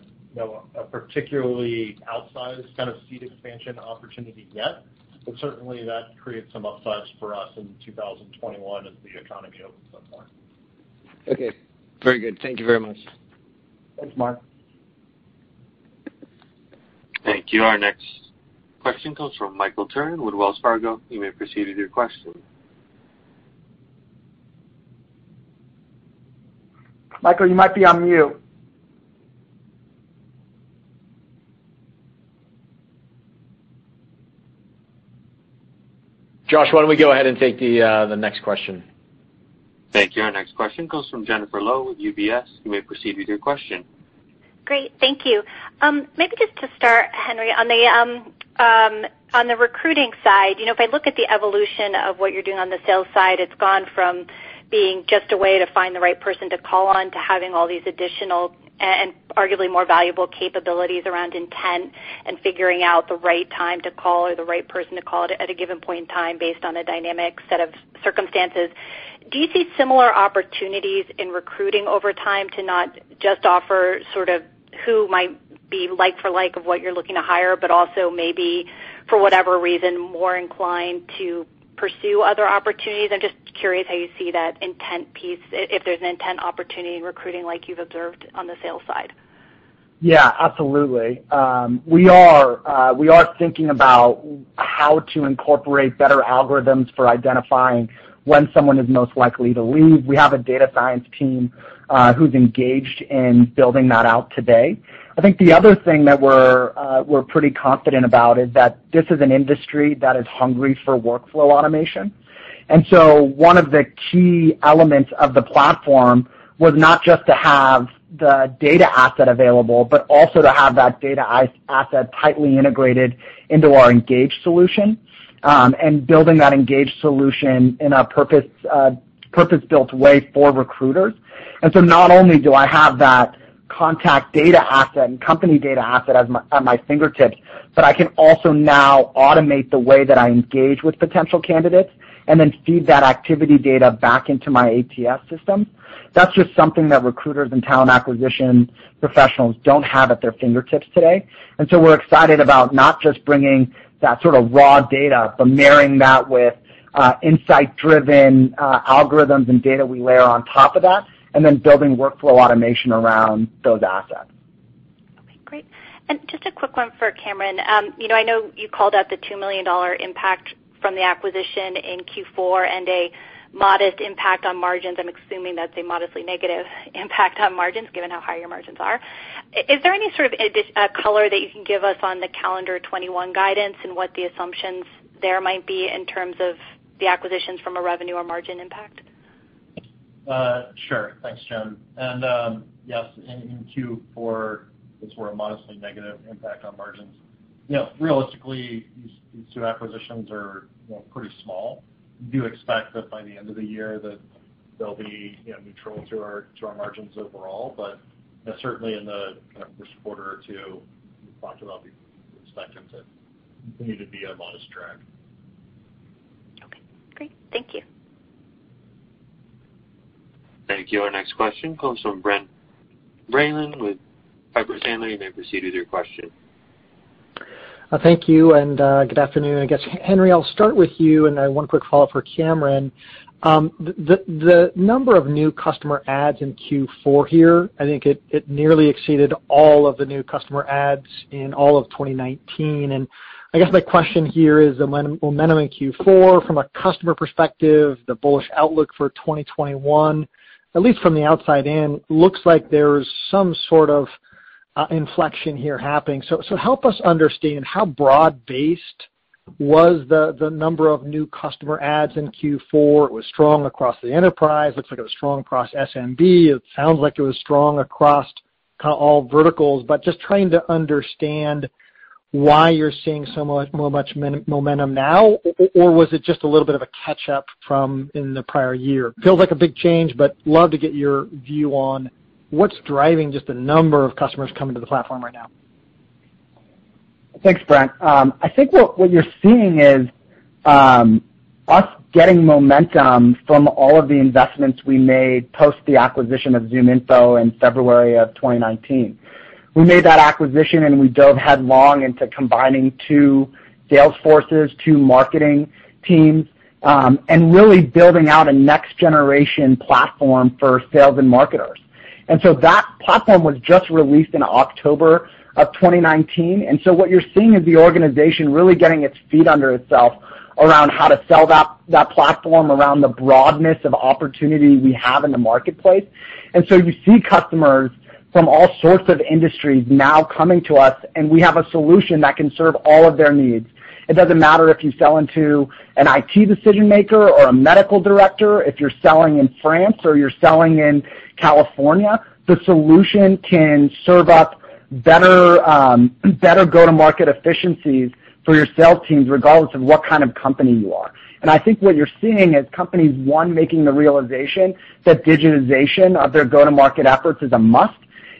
particularly outsized kind of seat expansion opportunity yet, but certainly that creates some upsides for us in 2021 as the economy opens up more. Okay, very good. Thank you very much. Thanks, Mark. Thank you. Our next question comes from Michael Turrin with Wells Fargo. You may proceed with your question. Michael, you might be on mute. Josh, why don't we go ahead and take the next question? Thank you. Our next question comes from Jennifer Lowe with UBS. You may proceed with your question. Great, thank you. Maybe just to start, Henry, on the recruiting side, if I look at the evolution of what you're doing on the sales side, it's gone from being just a way to find the right person to call on to having all these additional, and arguably more valuable, capabilities around intent and figuring out the right time to call or the right person to call at a given point in time based on a dynamic set of circumstances. Do you see similar opportunities in recruiting over time to not just offer sort of who might be like for like of what you're looking to hire, but also maybe for whatever reason, more inclined to pursue other opportunities? I'm just curious how you see that intent piece, if there's an intent opportunity in recruiting like you've observed on the sales side. Yeah, absolutely. We are thinking about how to incorporate better algorithms for identifying when someone is most likely to leave. We have a data science team who's engaged in building that out today. I think the other thing that we're pretty confident about is that this is an industry that is hungry for workflow automation. One of the key elements of the platform was not just to have the data asset available, but also to have that data asset tightly integrated into our Engage solution, and building that Engage solution in a purpose-built way for recruiters. Not only do I have that contact data asset and company data asset at my fingertips, but I can also now automate the way that I engage with potential candidates and then feed that activity data back into my ATS system. That's just something that recruiters and talent acquisition professionals don't have at their fingertips today. We're excited about not just bringing that sort of raw data, but marrying that with insight-driven algorithms and data we layer on top of that, and then building workflow automation around those assets. Okay, great. Just a quick one for Cameron. I know you called out the $2 million impact from the acquisition in Q4 and a modest impact on margins. I'm assuming that's a modestly negative impact on margins, given how high your margins are. Is there any sort of color that you can give us on the calendar 2021 guidance and what the assumptions there might be in terms of the acquisitions from a revenue or margin impact? Sure. Thanks, Jen. Yes, in Q4, it's for a modestly negative impact on margins. Realistically, these two acquisitions are pretty small. We do expect that by the end of the year that they'll be neutral to our margins overall, but certainly in the first quarter or two, we've talked about we expect them to continue to be a modest drag. Okay, great. Thank you. Thank you. Our next question comes from Brent Bracelin with Piper Sandler. You may proceed with your question. Thank you. Good afternoon. I guess, Henry, I'll start with you, then one quick follow-up for Cameron. The number of new customer adds in Q4 here, I think it nearly exceeded all of the new customer adds in all of 2019. I guess my question here is the momentum in Q4 from a customer perspective, the bullish outlook for 2021, at least from the outside in, looks like there's some sort of inflection here happening. Help us understand how broad-based was the number of new customer adds in Q4? It was strong across the enterprise. Looks like it was strong across SMB. It sounds like it was strong across all verticals. Just trying to understand why you're seeing so much momentum now, or was it just a little bit of a catch-up from in the prior year? Feels like a big change, but I love to get your view on what's driving just the number of customers coming to the platform right now? Thanks, Brent. I think what you're seeing is us getting momentum from all of the investments we made post the acquisition of ZoomInfo in February of 2019. We made that acquisition, and we dove headlong into combining two sales forces, two marketing teams, and really building out a next-generation platform for sales and marketers. That platform was just released in October of 2019, and so what you're seeing is the organization really getting its feet under itself around how to sell that platform around the broadness of opportunity we have in the marketplace. You see customers from all sorts of industries now coming to us, and we have a solution that can serve all of their needs. It doesn't matter if you sell into an IT decision-maker or a medical director, if you're selling in France or you're selling in California, the solution can serve up better go-to-market efficiencies for your sales teams, regardless of what kind of company you are. I think what you're seeing is companies, one, making the realization that digitization of their go-to-market efforts is a must,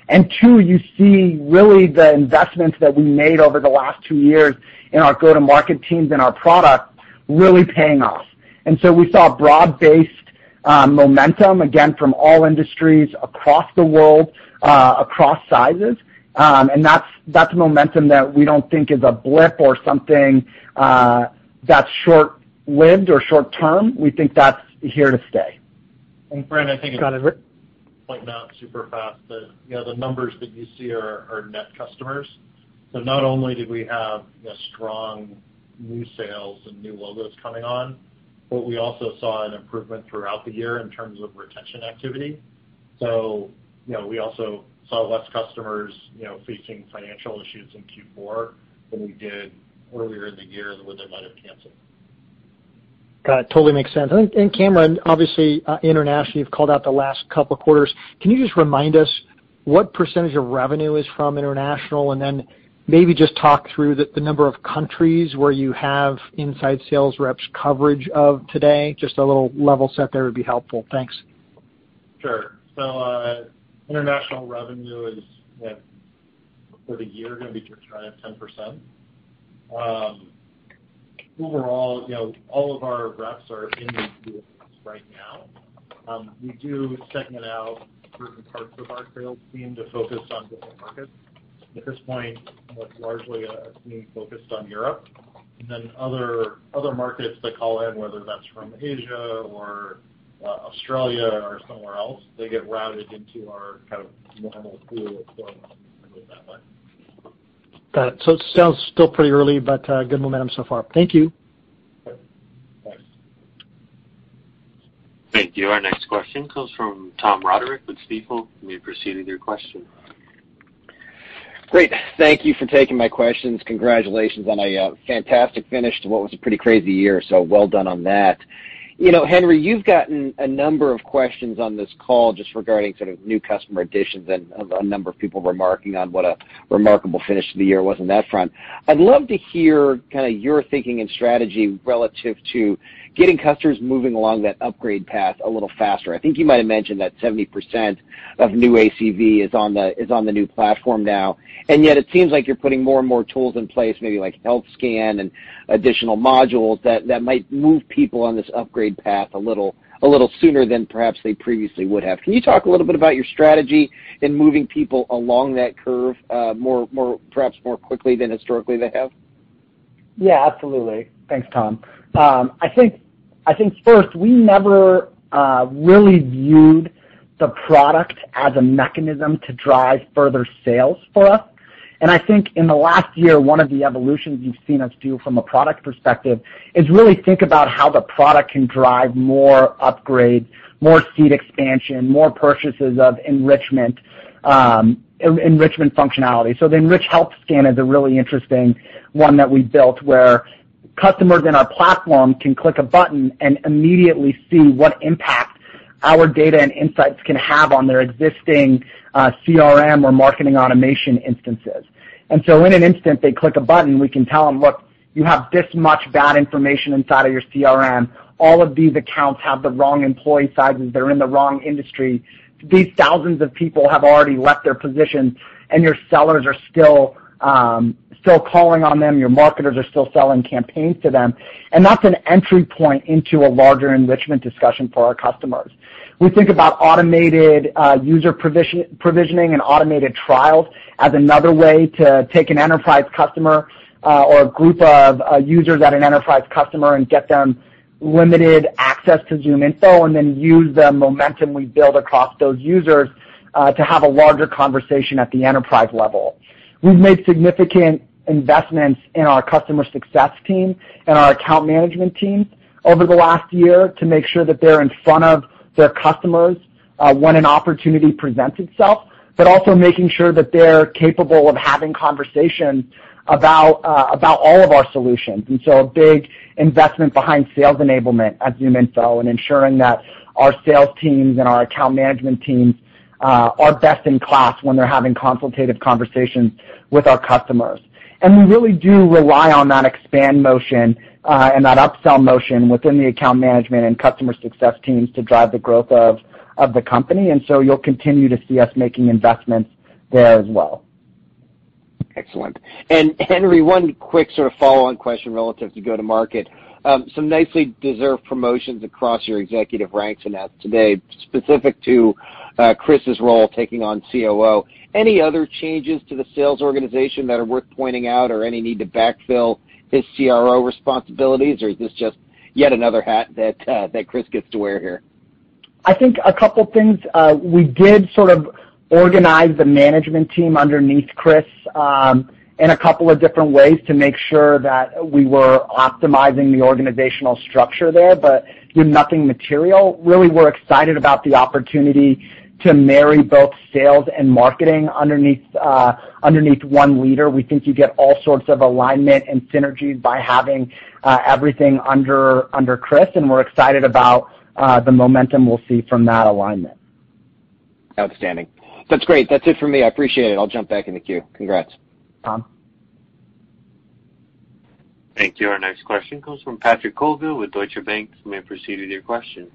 and two, you see really the investments that we made over the last two years in our go-to-market teams and our product really paying off. We saw broad-based momentum, again, from all industries across the world, across sizes. That's momentum that we don't think is a blip or something that's short-lived or short-term, we think that's here to stay. Brent. Go ahead, Cameron. Just to point out super fast that the numbers that you see are net customers. Not only did we have strong new sales and new logos coming on, but we also saw an improvement throughout the year in terms of retention activity. We also saw less customers facing financial issues in Q4 than we did earlier in the year when they might have canceled. Got it. Totally makes sense. Cameron, obviously, international, you've called out the last couple of quarters. Can you just remind us what % of revenue is from international, and then maybe just talk through the number of countries where you have inside sales reps coverage of today? Just a little level set there would be helpful. Thanks. Sure. International revenue is, for the year, going to be just shy of 10%. Overall, all of our reps are in these right now. We do segment out certain parts of our sales team to focus on different markets. At this point, that's largely a team focused on Europe. Other markets that call in, whether that's from Asia or Australia or somewhere else, they get routed into our normal pool of that way. Got it. It sounds still pretty early, but good momentum so far. Thank you. Sure. Thanks. Thank you. Our next question comes from Tom Roderick with Stifel. You may proceed with your question. Great. Thank you for taking my questions. Congratulations on a fantastic finish to what was a pretty crazy year. Well done on that. Henry, you've gotten a number of questions on this call just regarding sort of new customer additions, and a number of people remarking on what a remarkable finish to the year was on that front. I'd love to hear your thinking and strategy relative to getting customers moving along that upgrade path a little faster. I think you might have mentioned that 70% of new ACV is on the new platform now, and yet it seems like you're putting more and more tools in place, maybe like Health Scan and additional modules, that might move people on this upgrade path a little sooner than perhaps they previously would have. Can you talk a little bit about your strategy in moving people along that curve perhaps more quickly than historically they have? Absolutely. Thanks, Tom. I think first, we never really viewed the product as a mechanism to drive further sales for us. I think in the last year, one of the evolutions you've seen us do from a product perspective is really think about how the product can drive more upgrades, more seat expansion, more purchases of enrichment functionality. The Enrich Health Scan is a really interesting one that we built, where customers in our platform can click a button and immediately see what impact our data and insights can have on their existing CRM or marketing automation instances. In an instant, they click a button, we can tell them, "Look, you have this much bad information inside of your CRM. All of these accounts have the wrong employee sizes. They're in the wrong industry. These thousands of people have already left their positions. Your sellers are still calling on them. Your marketers are still selling campaigns to them." That's an entry point into a larger enrichment discussion for our customers. We think about automated user provisioning and automated trials as another way to take an enterprise customer, or a group of users at an enterprise customer, and get them limited access to ZoomInfo, and then use the momentum we build across those users, to have a larger conversation at the enterprise level. We've made significant investments in our customer success team and our account management teams over the last year to make sure that they're in front of their customers when an opportunity presents itself, also making sure that they're capable of having conversations about all of our solutions. A big investment behind sales enablement at ZoomInfo, and ensuring that our sales teams and our account management teams are best in class when they're having consultative conversations with our customers. We really do rely on that expand motion, and that upsell motion within the account management and customer success teams to drive the growth of the company. You'll continue to see us making investments there as well. Excellent. Henry, one quick sort of follow-on question relative to go to market. Some nicely deserved promotions across your executive ranks announced today, specific to Chris's role taking on COO. Any other changes to the sales organization that are worth pointing out or any need to backfill his CRO responsibilities, or is this just yet another hat that Chris gets to wear here? I think a couple things. We did sort of organize the management team underneath Chris, in a couple of different ways to make sure that we were optimizing the organizational structure there, but did nothing material. Really, we're excited about the opportunity to marry both sales and marketing underneath one leader. We think you get all sorts of alignment and synergies by having everything under Chris. We're excited about the momentum we'll see from that alignment. Outstanding. That's great. That's it for me. I appreciate it. I'll jump back in the queue. Congrats. Tom. Thank you. Our next question comes from Patrick Colville with Deutsche Bank. You may proceed with your question.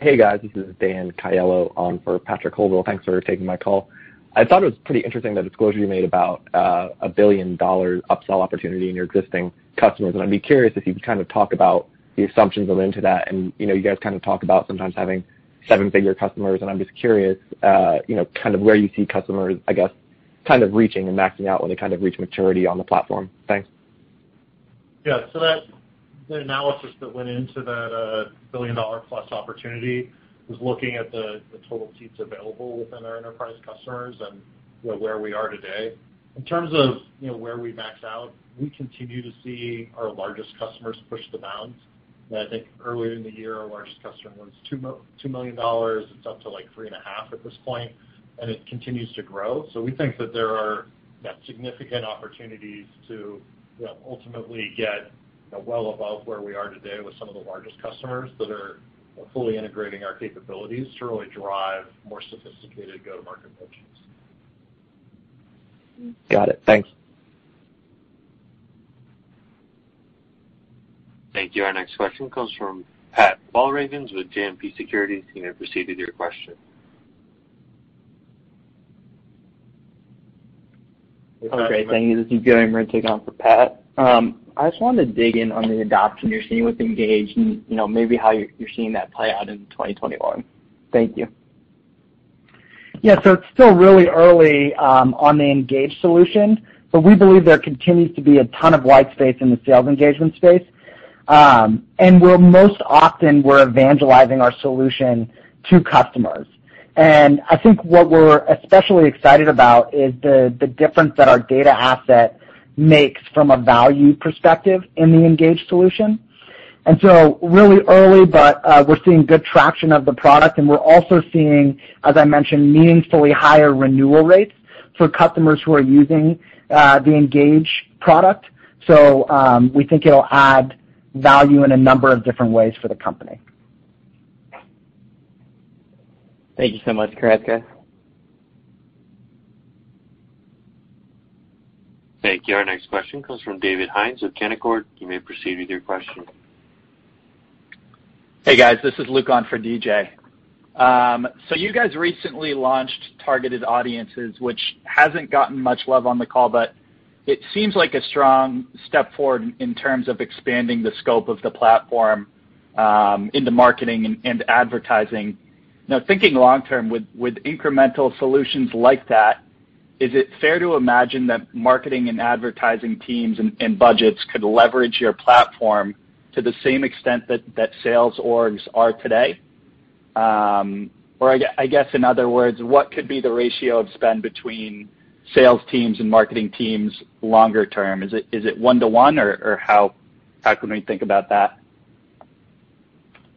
Hey, guys. This is Daniel Caiello for Patrick Colville. Thanks for taking my call. I thought it was pretty interesting, the disclosure you made about a billion-dollar upsell opportunity in your existing customers. I'd be curious if you could kind of talk about the assumptions that went into that. You guys kind of talk about sometimes having seven-figure customers, and I'm just curious where you see customers, I guess kind of reaching and maxing out when they kind of reach maturity on the platform? Thanks. Yeah. The analysis that went into that billion-dollar-plus opportunity was looking at the total seats available within our enterprise customers and where we are today. In terms of where we max out, we continue to see our largest customers push the bounds. And I think earlier in the year, our largest customer was $2 million. It's up to like three and a half at this point, and it continues to grow. We think that there are significant opportunities to ultimately get well above where we are today with some of the largest customers that are fully integrating our capabilities to really drive more sophisticated go-to-market motions. Got it. Thanks. Thank you. Our next question comes from Pat Walravens with JMP Securities. You may proceed with your question. Great. Thank you. This is Joe Goodwin taking on for Pat. I just wanted to dig in on the adoption you're seeing with Engage and maybe how you're seeing that play out in 2021. Thank you. Yeah. It's still really early on the Engage solution, but we believe there continues to be a ton of white space in the sales engagement space. Where most often we're evangelizing our solution to customers. I think what we're especially excited about is the difference that our data asset makes from a value perspective in the Engage solution. Really early, but we're seeing good traction of the product, and we're also seeing, as I mentioned, meaningfully higher renewal rates for customers who are using the Engage product. We think it'll add value in a number of different ways for the company. Thank you so much, Karizka. Thank you. Our next question comes from David Hynes with Canaccord. You may proceed with your question. Hey, guys, this is Luke on for DJ. You guys recently launched targeted audiences, which hasn't gotten much love on the call, but it seems like a strong step forward in terms of expanding the scope of the platform into marketing and advertising. Now, thinking long term with incremental solutions like that, is it fair to imagine that marketing and advertising teams and budgets could leverage your platform to the same extent that sales orgs are today? I guess, in other words, what could be the ratio of spend between sales teams and marketing teams longer term? Is it 1:1, or how can we think about that?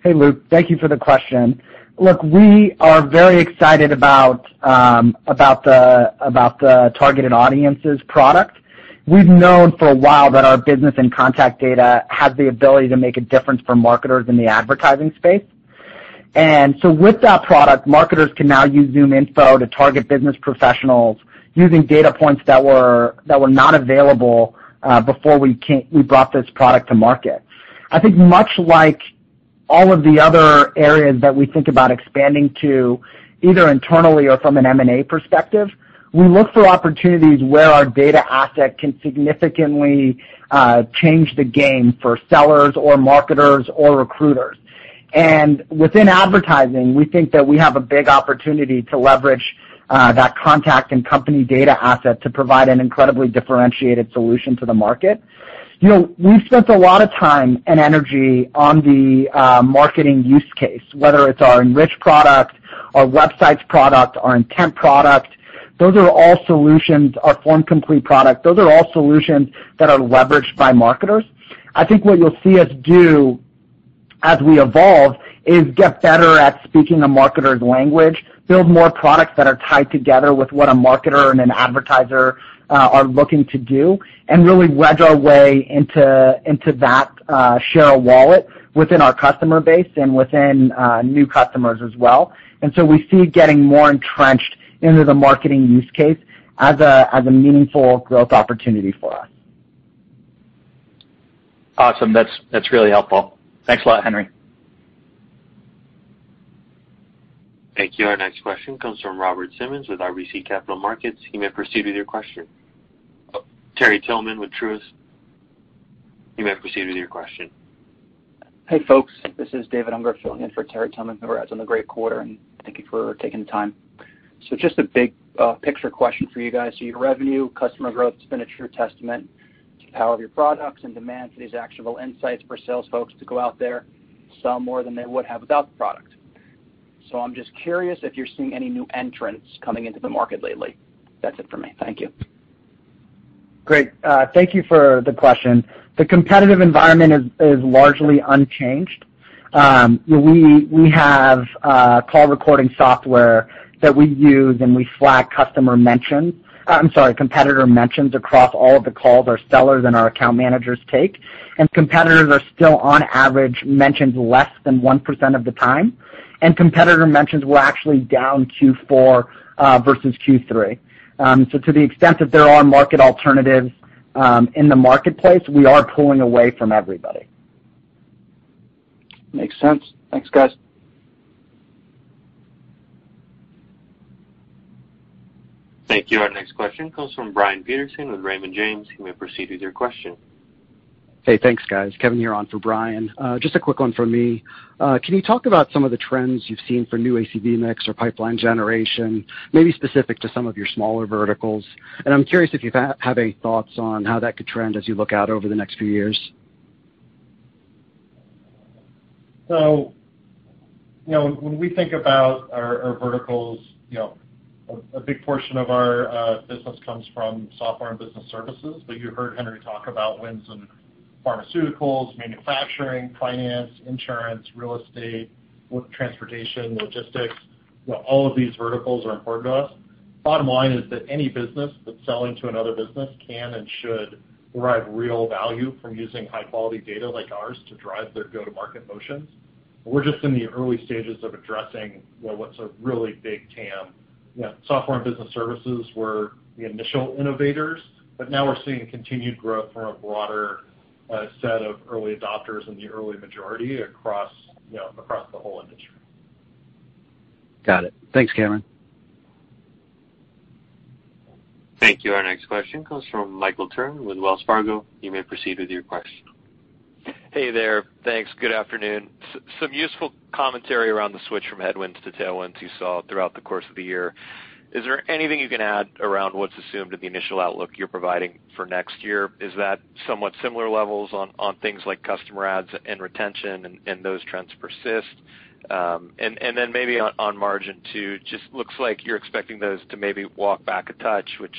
Hey, Luke. Thank you for the question. Look, we are very excited about the targeted audiences product. We've known for a while that our business and contact data has the ability to make a difference for marketers in the advertising space. With that product, marketers can now use ZoomInfo to target business professionals using data points that were not available before we brought this product to market. I think much like all of the other areas that we think about expanding to, either internally or from an M&A perspective, we look for opportunities where our data asset can significantly change the game for sellers or marketers or recruiters. Within advertising, we think that we have a big opportunity to leverage that contact and company data asset to provide an incredibly differentiated solution to the market. We've spent a lot of time and energy on the marketing use case, whether it's our Enrich product, our websites product, our intent product, our FormComplete product. Those are all solutions that are leveraged by marketers. I think what you'll see us do as we evolve is get better at speaking a marketer's language, build more products that are tied together with what a marketer and an advertiser are looking to do, and really wedge our way into that share of wallet within our customer base and within new customers as well. We see it getting more entrenched into the marketing use case as a meaningful growth opportunity for us. Awesome. That's really helpful. Thanks a lot, Henry. Thank you. Our next question comes from Robert Simmons with RBC Capital Markets. You may proceed with your question. Terry Tillman with Truist. You may proceed with your question. Hey, folks, this is David Unger filling in for Terry Tillman. Congrats on the great quarter. Thank you for taking the time. Just a big picture question for you guys. Your revenue, customer growth, it's been a true testament to the power of your products and demand for these actionable insights for sales folks to go out there, sell more than they would have without the product. I'm just curious if you're seeing any new entrants coming into the market lately. That's it for me. Thank you. Great. Thank you for the question. The competitive environment is largely unchanged. We have call recording software that we use, and we flag competitor mentions across all of the calls our sellers and our account managers take, and competitors are still, on average, mentioned less than 1% of the time. Competitor mentions were actually down Q4 versus Q3. To the extent that there are market alternatives in the marketplace, we are pulling away from everybody. Makes sense. Thanks, guys. Thank you. Our next question comes from Brian Peterson with Raymond James. You may proceed with your question. Hey, thanks, guys. Kevin here on for Brian. Just a quick one from me. Can you talk about some of the trends you've seen for new ACV mix or pipeline generation, maybe specific to some of your smaller verticals? I'm curious if you have any thoughts on how that could trend as you look out over the next few years. When we think about our verticals, a big portion of our business comes from software and business services. You heard Henry talk about wins in pharmaceuticals, manufacturing, finance, insurance, real estate, transportation, logistics. All of these verticals are important to us. Bottom line is that any business that's selling to another business can and should derive real value from using high-quality data like ours to drive their go-to-market motions. We're just in the early stages of addressing what's a really big TAM. Software and business services were the initial innovators, but now we're seeing continued growth from a broader set of early adopters in the early majority across the whole industry. Got it. Thanks, Cameron. Thank you. Our next question comes from Michael Turrin with Wells Fargo. You may proceed with your question. Hey there. Thanks. Good afternoon. Some useful commentary around the switch from headwinds to tailwinds you saw throughout the course of the year. Is there anything you can add around what's assumed in the initial outlook you're providing for next year? Is that somewhat similar levels on things like customer adds and retention, and those trends persist? Then maybe on margin too, just looks like you're expecting those to maybe walk back a touch, which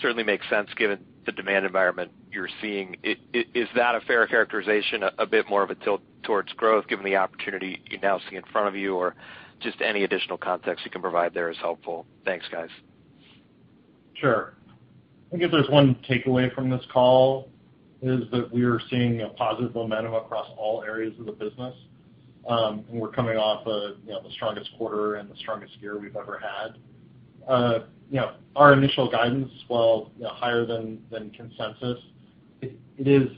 certainly makes sense given the demand environment you're seeing. Is that a fair characterization, a bit more of a tilt towards growth given the opportunity you now see in front of you? Just any additional context you can provide there is helpful. Thanks, guys. Sure. I think if there's one takeaway from this call is that we are seeing a positive momentum across all areas of the business, and we're coming off the strongest quarter and the strongest year we've ever had. Our initial guidance fell higher than consensus. It is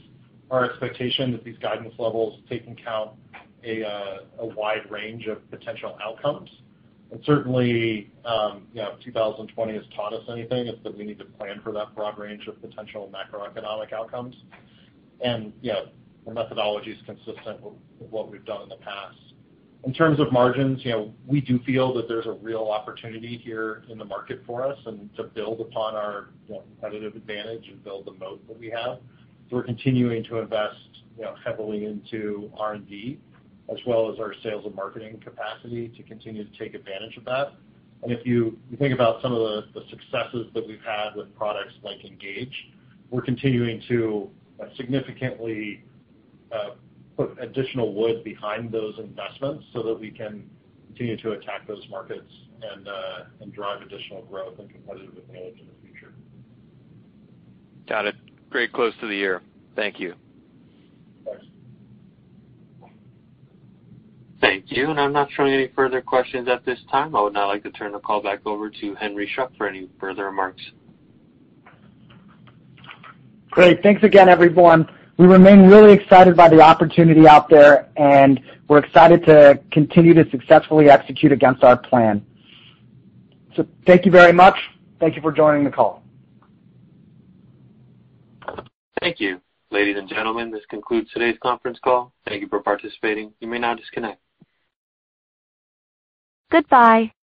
our expectation that these guidance levels take into account a wide range of potential outcomes. Certainly if 2020 has taught us anything, it's that we need to plan for that broad range of potential macroeconomic outcomes. The methodology is consistent with what we've done in the past. In terms of margins, we do feel that there's a real opportunity here in the market for us and to build upon our competitive advantage and build the moat that we have. We're continuing to invest heavily into R&D as well as our sales and marketing capacity to continue to take advantage of that. If you think about some of the successes that we've had with products like Engage, we're continuing to significantly put additional wood behind those investments so that we can continue to attack those markets and drive additional growth and competitive advantage in the future. Got it. Great close to the year. Thank you. Thanks. Thank you. I'm not showing any further questions at this time. I would now like to turn the call back over to Henry Schuck for any further remarks. Great. Thanks again, everyone. We remain really excited by the opportunity out there, and we're excited to continue to successfully execute against our plan. Thank you very much. Thank you for joining the call. Thank you. Ladies and gentlemen, this concludes today's conference call. Thank you for participating. You may now disconnect.